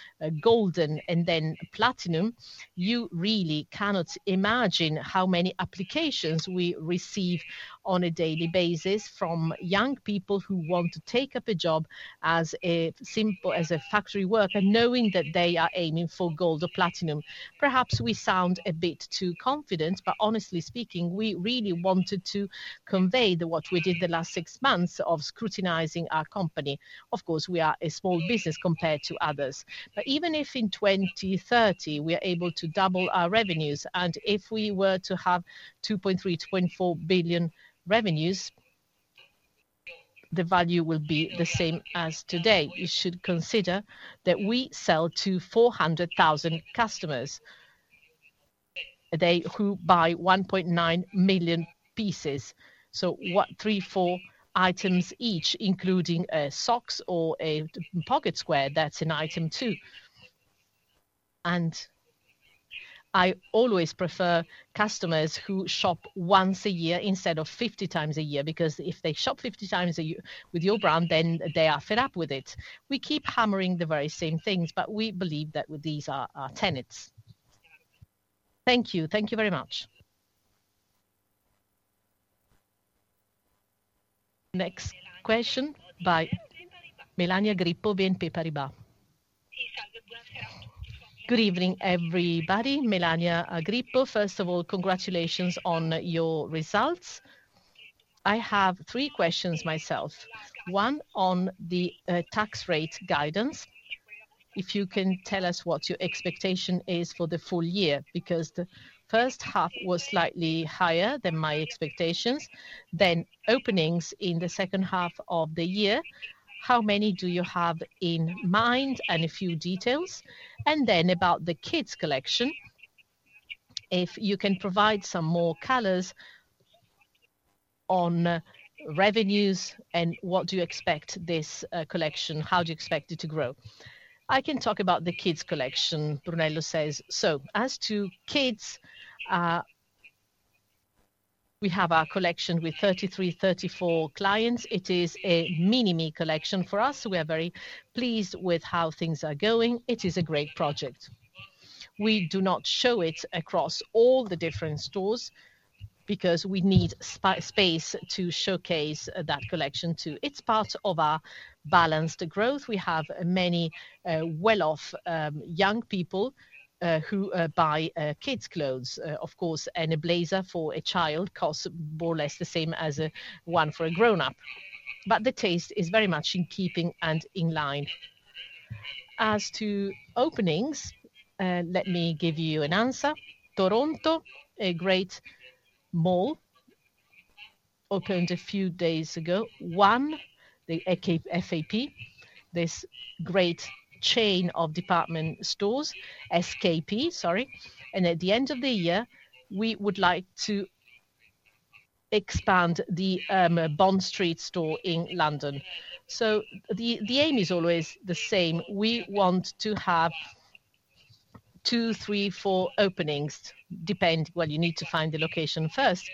golden and then platinum, you really cannot imagine how many applications we receive on a daily basis from young people who want to take up a job as a simple factory worker, knowing that they are aiming for gold or platinum. Perhaps we sound a bit too confident, but honestly speaking, we really wanted to convey the work we did the last six months of scrutinizing our company. Of course, we are a small business compared to others. But even if in 2030 we are able to double our revenues, and if we were to have 2.3, 2.4 billion revenues, the value will be the same as today. You should consider that we sell to 400,000 customers, they who buy 1.9 million pieces. So what, three, four items each, including socks or a pocket square, that's an item, too... and I always prefer customers who shop once a year instead of 50 times a year, because if they shop 50 times a year with your brand, then they are fed up with it. We keep hammering the very same things, but we believe that these are our tenets. Thank you. Thank you very much. Next question by Melania Grippo, BNP Paribas. Good evening, everybody. Melania Grippo. First of all, congratulations on your results. I have three questions myself. One, on the tax rate guidance, if you can tell us what your expectation is for the full year, because the first half was slightly higher than my expectations. Then openings in the second half of the year, how many do you have in mind, and a few details? And then about the kids collection, if you can provide some more colors on revenues and what do you expect this collection, how do you expect it to grow? I can talk about the kids collection, Brunello says. So as to kids, we have our collection with 33, 34 clients. It is a Mini-me collection for us, so we are very pleased with how things are going. It is a great project. We do not show it across all the different stores because we need space to showcase that collection, too. It's part of our balanced growth. We have many well-off young people who buy kids' clothes. Of course, and a blazer for a child costs more or less the same as a one for a grown-up, but the taste is very much in keeping and in line. As to openings, let me give you an answer. Toronto, a great mall, opened a few days ago, one, the SKP, this great chain of department stores, sorry. And at the end of the year, we would like to expand the Bond Street store in London. So the aim is always the same. We want to have two, three, four openings, depend. You need to find the location first,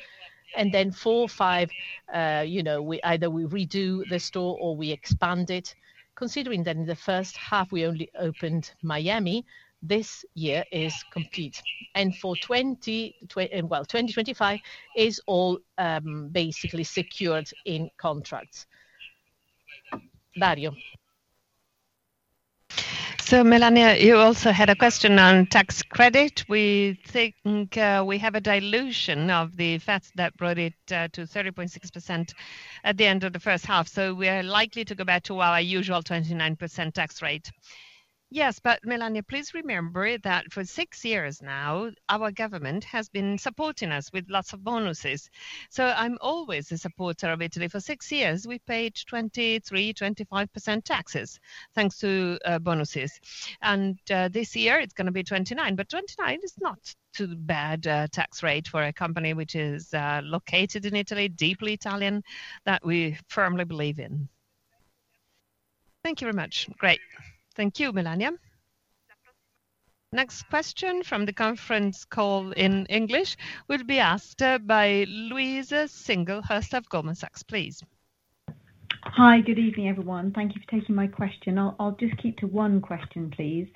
and then four or five, you know, we either redo the store or we expand it. Considering that in the first half, we only opened Miami, this year is complete. And for 2025, well, it is all basically secured in contracts. Dario? Melania, you also had a question on tax credit. We think we have a dilution of the effects that brought it to 30.6% at the end of the first half, so we are likely to go back to our usual 29% tax rate. Yes, but Melania, please remember that for six years now, our government has been supporting us with lots of bonuses, so I'm always a supporter of Italy. For six years, we paid 23%-25% taxes, thanks to bonuses. This year it's gonna be 29%, but 29% is not too bad tax rate for a company which is located in Italy, deeply Italian, that we firmly believe in. Thank you very much. Great. Thank you, Melania. Next question from the conference call in English will be asked by Louise Singlehurst of Goldman Sachs, please. Hi. Good evening, everyone. Thank you for taking my question. I'll just keep to one question, please.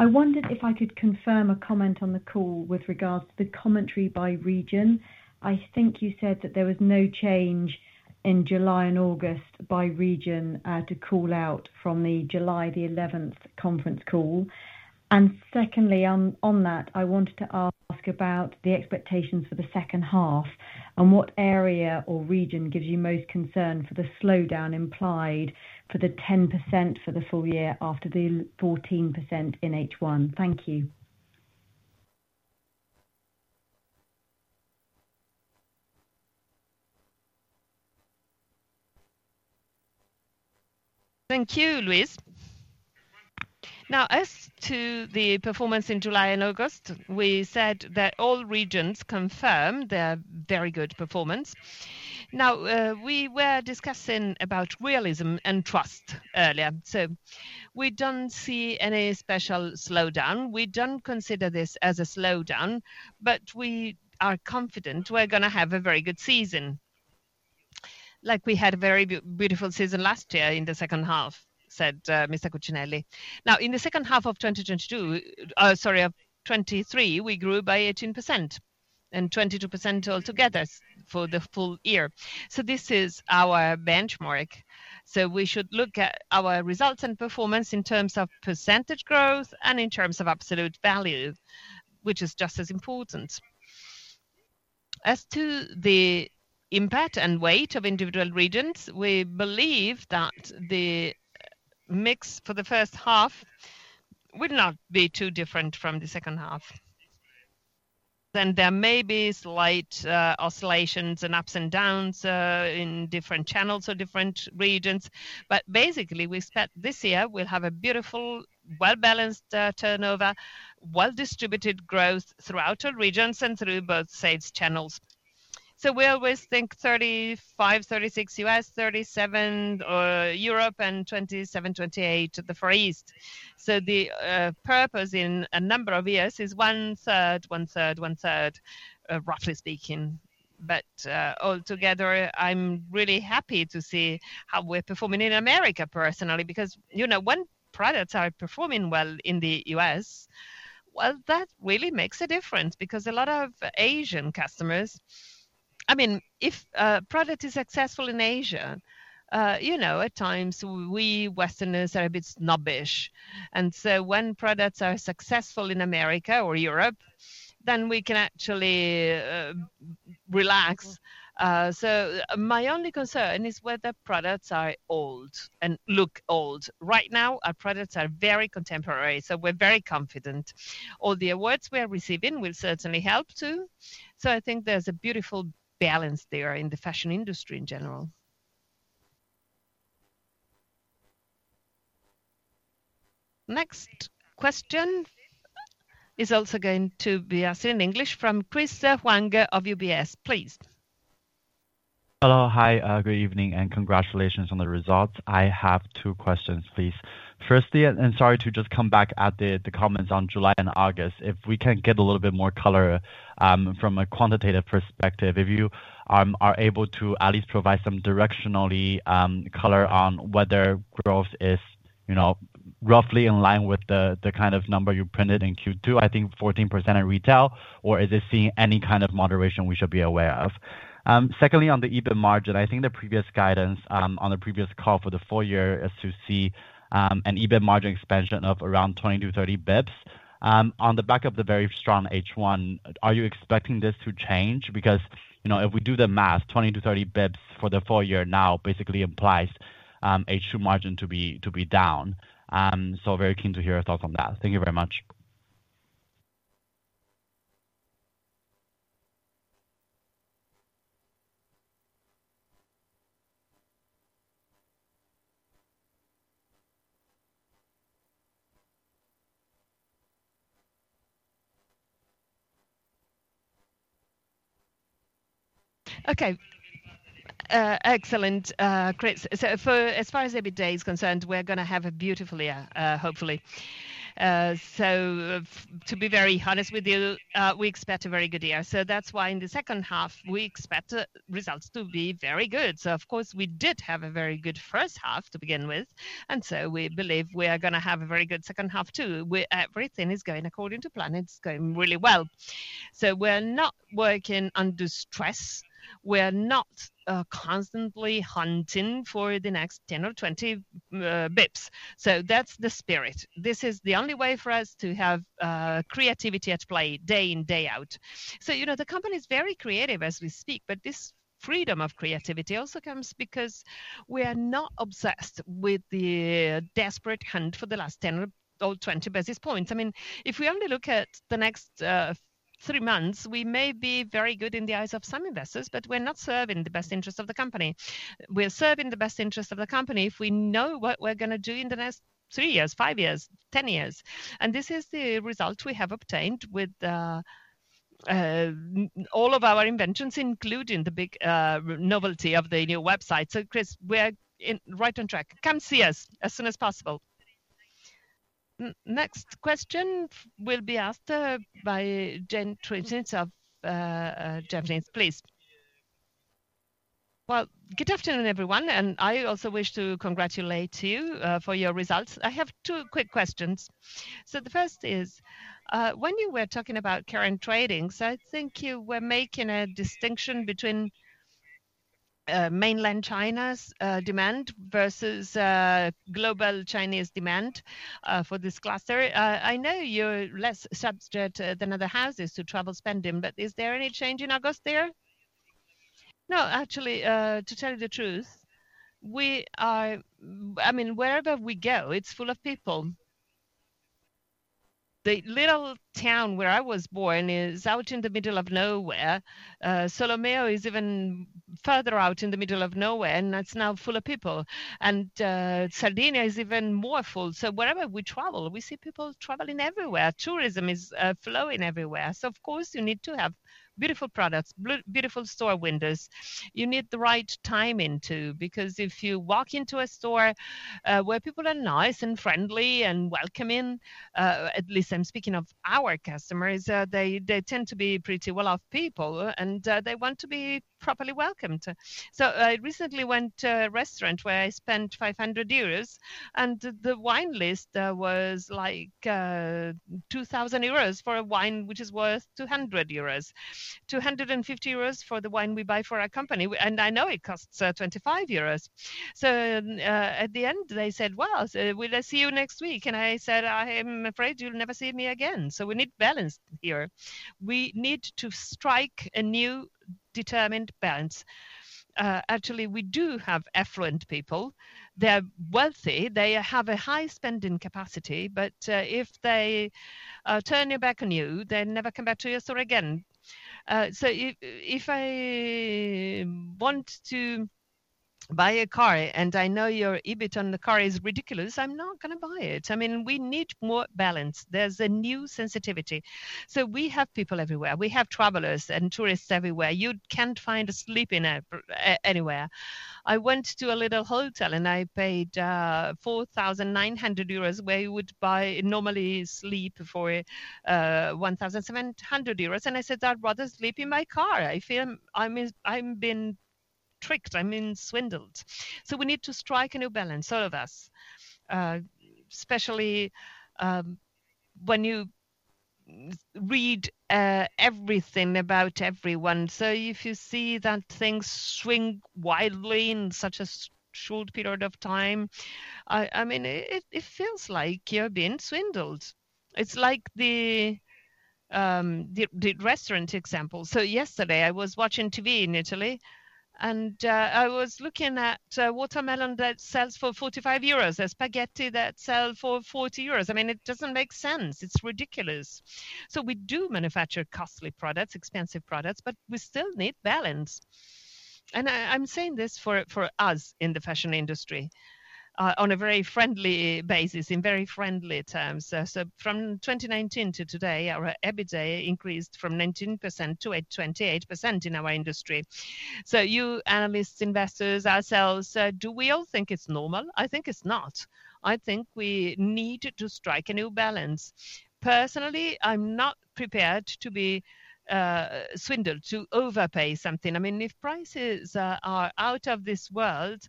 I wondered if I could confirm a comment on the call with regards to the commentary by region. I think you said that there was no change in July and August by region to call out from the July the 11th conference call. And secondly, on that, I wanted to ask about the expectations for the second half, and what area or region gives you most concern for the slowdown implied for the 10% for the full year after the 14% in H1? Thank you. Thank you, Louise. Now, as to the performance in July and August, we said that all regions confirmed their very good performance. Now, we were discussing about realism and trust earlier, so we don't see any special slowdown. We don't consider this as a slowdown, but we are confident we're gonna have a very good season. "Like we had a very beautiful season last year in the second half," said Mr. Cucinelli. Now, in the second half of 2022, sorry, of 2023, we grew by 18% and 22% altogether for the full year. So this is our benchmark. So we should look at our results and performance in terms of percentage growth and in terms of absolute value, which is just as important. As to the impact and weight of individual regions, we believe that the mix for the first half would not be too different from the second half. There may be slight oscillations and ups and downs in different channels or different regions, but basically, we expect this year we'll have a beautiful, well-balanced turnover, well-distributed growth throughout our regions and through both sales channels. We always think 35-36 U.S., 37 Europe, and 27-28 to the Far East. The purpose in a number of years is one-third, one-third, one-third, roughly speaking. But all together, I'm really happy to see how we're performing in America personally, because, you know, when products are performing well in the U.S., well, that really makes a difference because a lot of Asian customers. I mean, if a product is successful in Asia, you know, at times we Westerners are a bit snobbish. And so when products are successful in America or Europe, then we can actually relax. So my only concern is whether products are old and look old. Right now, our products are very contemporary, so we're very confident. All the awards we are receiving will certainly help, too. So I think there's a beautiful balance there in the fashion industry in general. Next question is also going to be asked in English from Chris Wagner of UBS, please. Hello. Hi, good evening, and congratulations on the results. I have two questions, please. Firstly, and sorry to just come back at the comments on July and August, if we can get a little bit more color from a quantitative perspective. If you are able to at least provide some directionally color on whether growth is, you know, roughly in line with the kind of number you printed in Q2, I think 14% in retail, or is it seeing any kind of moderation we should be aware of? Secondly, on the EBIT margin, I think the previous guidance on the previous call for the full year is to see an EBIT margin expansion of around twenty to thirty basis points. On the back of the very strong H1, are you expecting this to change? Because, you know, if we do the math, 20-30 basis points for the full year now basically implies H2 margin to be down, so very keen to hear your thoughts on that. Thank you very much. Okay. Excellent, Chris. So for as far as EBITDA is concerned, we're gonna have a beautiful year, hopefully. So to be very honest with you, we expect a very good year. So that's why in the second half, we expect the results to be very good. So of course, we did have a very good first half to begin with, and so we believe we are gonna have a very good second half, too, where everything is going according to plan. It's going really well. So we're not working under stress. We're not constantly hunting for the next 10 or 20 basis points. So that's the spirit. This is the only way for us to have creativity at play day in, day out. You know, the company is very creative as we speak, but this freedom of creativity also comes because we are not obsessed with the desperate hunt for the last 10 or 20 basis points. I mean, if we only look at the next three months, we may be very good in the eyes of some investors, but we're not serving the best interest of the company. We're serving the best interest of the company if we know what we're gonna do in the next three years, five years, 10 years, and this is the result we have obtained with all of our inventions, including the big novelty of the new website. So, Chris, we're right on track. Come see us as soon as possible. Next question will be asked by James Grzinic of Jefferies, please. Well, good afternoon, everyone, and I also wish to congratulate you for your results. I have two quick questions. So the first is, when you were talking about current trading, so I think you were making a distinction between Mainland China's demand versus global Chinese demand for this cluster. I know you're less subject than other houses to travel spending, but is there any change in August there? No, actually, to tell you the truth, we are... I mean, wherever we go, it's full of people. The little town where I was born is out in the middle of nowhere. Solomeo is even further out in the middle of nowhere, and it's now full of people. And, Sardinia is even more full. So wherever we travel, we see people traveling everywhere. Tourism is flowing everywhere. Of course, you need to have beautiful products, beautiful store windows. You need the right timing, too, because if you walk into a store, where people are nice and friendly and welcoming, at least I'm speaking of our customers, they tend to be pretty well-off people, and they want to be properly welcomed. So I recently went to a restaurant where I spent 500 euros, and the wine list was like, two thousand euros for a wine which is worth 200 euros. 250 euros for the wine we buy for our company, and I know it costs 25 euros. So at the end, they said, "Well, will I see you next week?" And I said, "I am afraid you'll never see me again." So we need balance here. We need to strike a new, determined balance. Actually, we do have affluent people. They're wealthy, they have a high spending capacity, but if they turn their back on you, they never come back to your store again. So if I want to buy a car, and I know your EBIT on the car is ridiculous, I'm not gonna buy it. I mean, we need more balance. There's a new sensitivity. So we have people everywhere. We have travelers and tourists everywhere. You can't find a place to sleep in Europe anywhere. I went to a little hotel, and I paid 4,900 euros, where you would normally sleep for 1,700 euros, and I said, "I'd rather sleep in my car. I feel I'm being tricked. I'm being swindled." So we need to strike a new balance, all of us, especially, when you read everything about everyone. So if you see that things swing wildly in such a short period of time, I mean, it feels like you're being swindled. It's like the restaurant example. So yesterday, I was watching TV in Italy, and I was looking at a watermelon that sells for 45 euros, a spaghetti that sell for 40 euros. I mean, it doesn't make sense. It's ridiculous. So we do manufacture costly products, expensive products, but we still need balance. And I'm saying this for us in the fashion industry, on a very friendly basis, in very friendly terms. So from 2019 to today, our EBITDA increased from 19% to 28% in our industry. So you analysts, investors, ourselves, do we all think it's normal? I think it's not. I think we need to strike a new balance. Personally, I'm not prepared to be swindled, to overpay something. I mean, if prices are out of this world,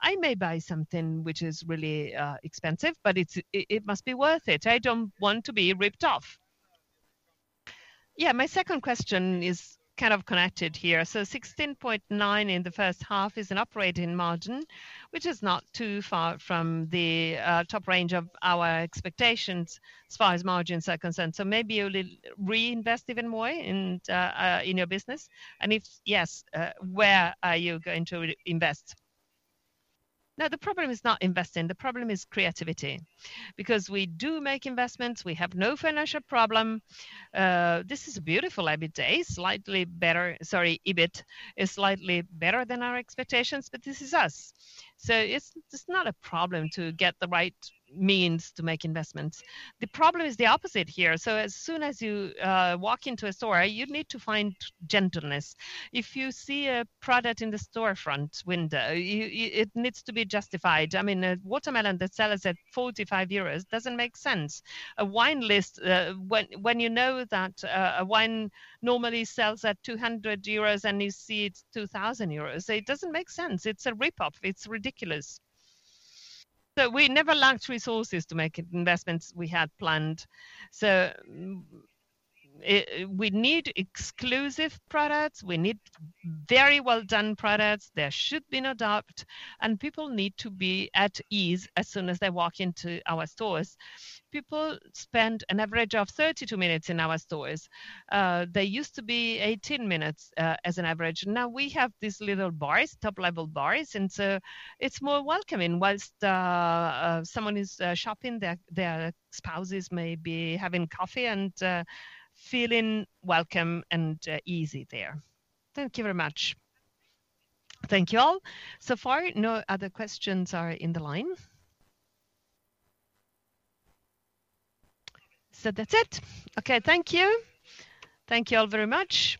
I may buy something which is really expensive, but it's, it must be worth it. I don't want to be ripped off. Yeah, my second question is kind of connected here. So 16.9% in the first half is an operating margin, which is not too far from the top range of our expectations as far as margins are concerned. So maybe you'll reinvest even more in your business. And if yes, where are you going to reinvest? No, the problem is not investing, the problem is creativity. Because we do make investments, we have no financial problem. This is a beautiful EBITDA, slightly better. Sorry, EBIT is slightly better than our expectations, but this is us. So it's not a problem to get the right means to make investments. The problem is the opposite here. So as soon as you walk into a store, you need to find gentleness. If you see a product in the storefront window, you it needs to be justified. I mean, a watermelon that sells at 45 euros doesn't make sense. A wine list, when you know that a wine normally sells at 200 euros, and you see it's 2,000 euros, it doesn't make sense. It's a rip-off. It's ridiculous. So we never lacked resources to make investments we had planned. So we need exclusive products, we need very well-done products. There should be no doubt, and people need to be at ease as soon as they walk into our stores. People spend an average of 32 minutes in our stores. They used to be 18 minutes, as an average. Now, we have these little bars, top-level bars, and so it's more welcoming. While someone is shopping, their spouses may be having coffee and feeling welcome and easy there. Thank you very much. Thank you all. So far, no other questions are in the line. So that's it. Okay, thank you. Thank you all very much.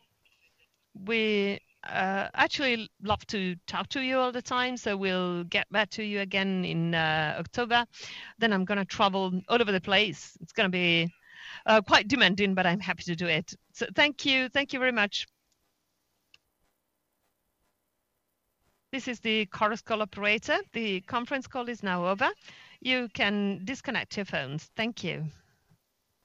We actually love to talk to you all the time, so we'll get back to you again in October. Then I'm gonna travel all over the place. It's gonna be quite demanding, but I'm happy to do it. So thank you. Thank you very much. This is the conference call operator. The conference call is now over. You can disconnect your phones. Thank you.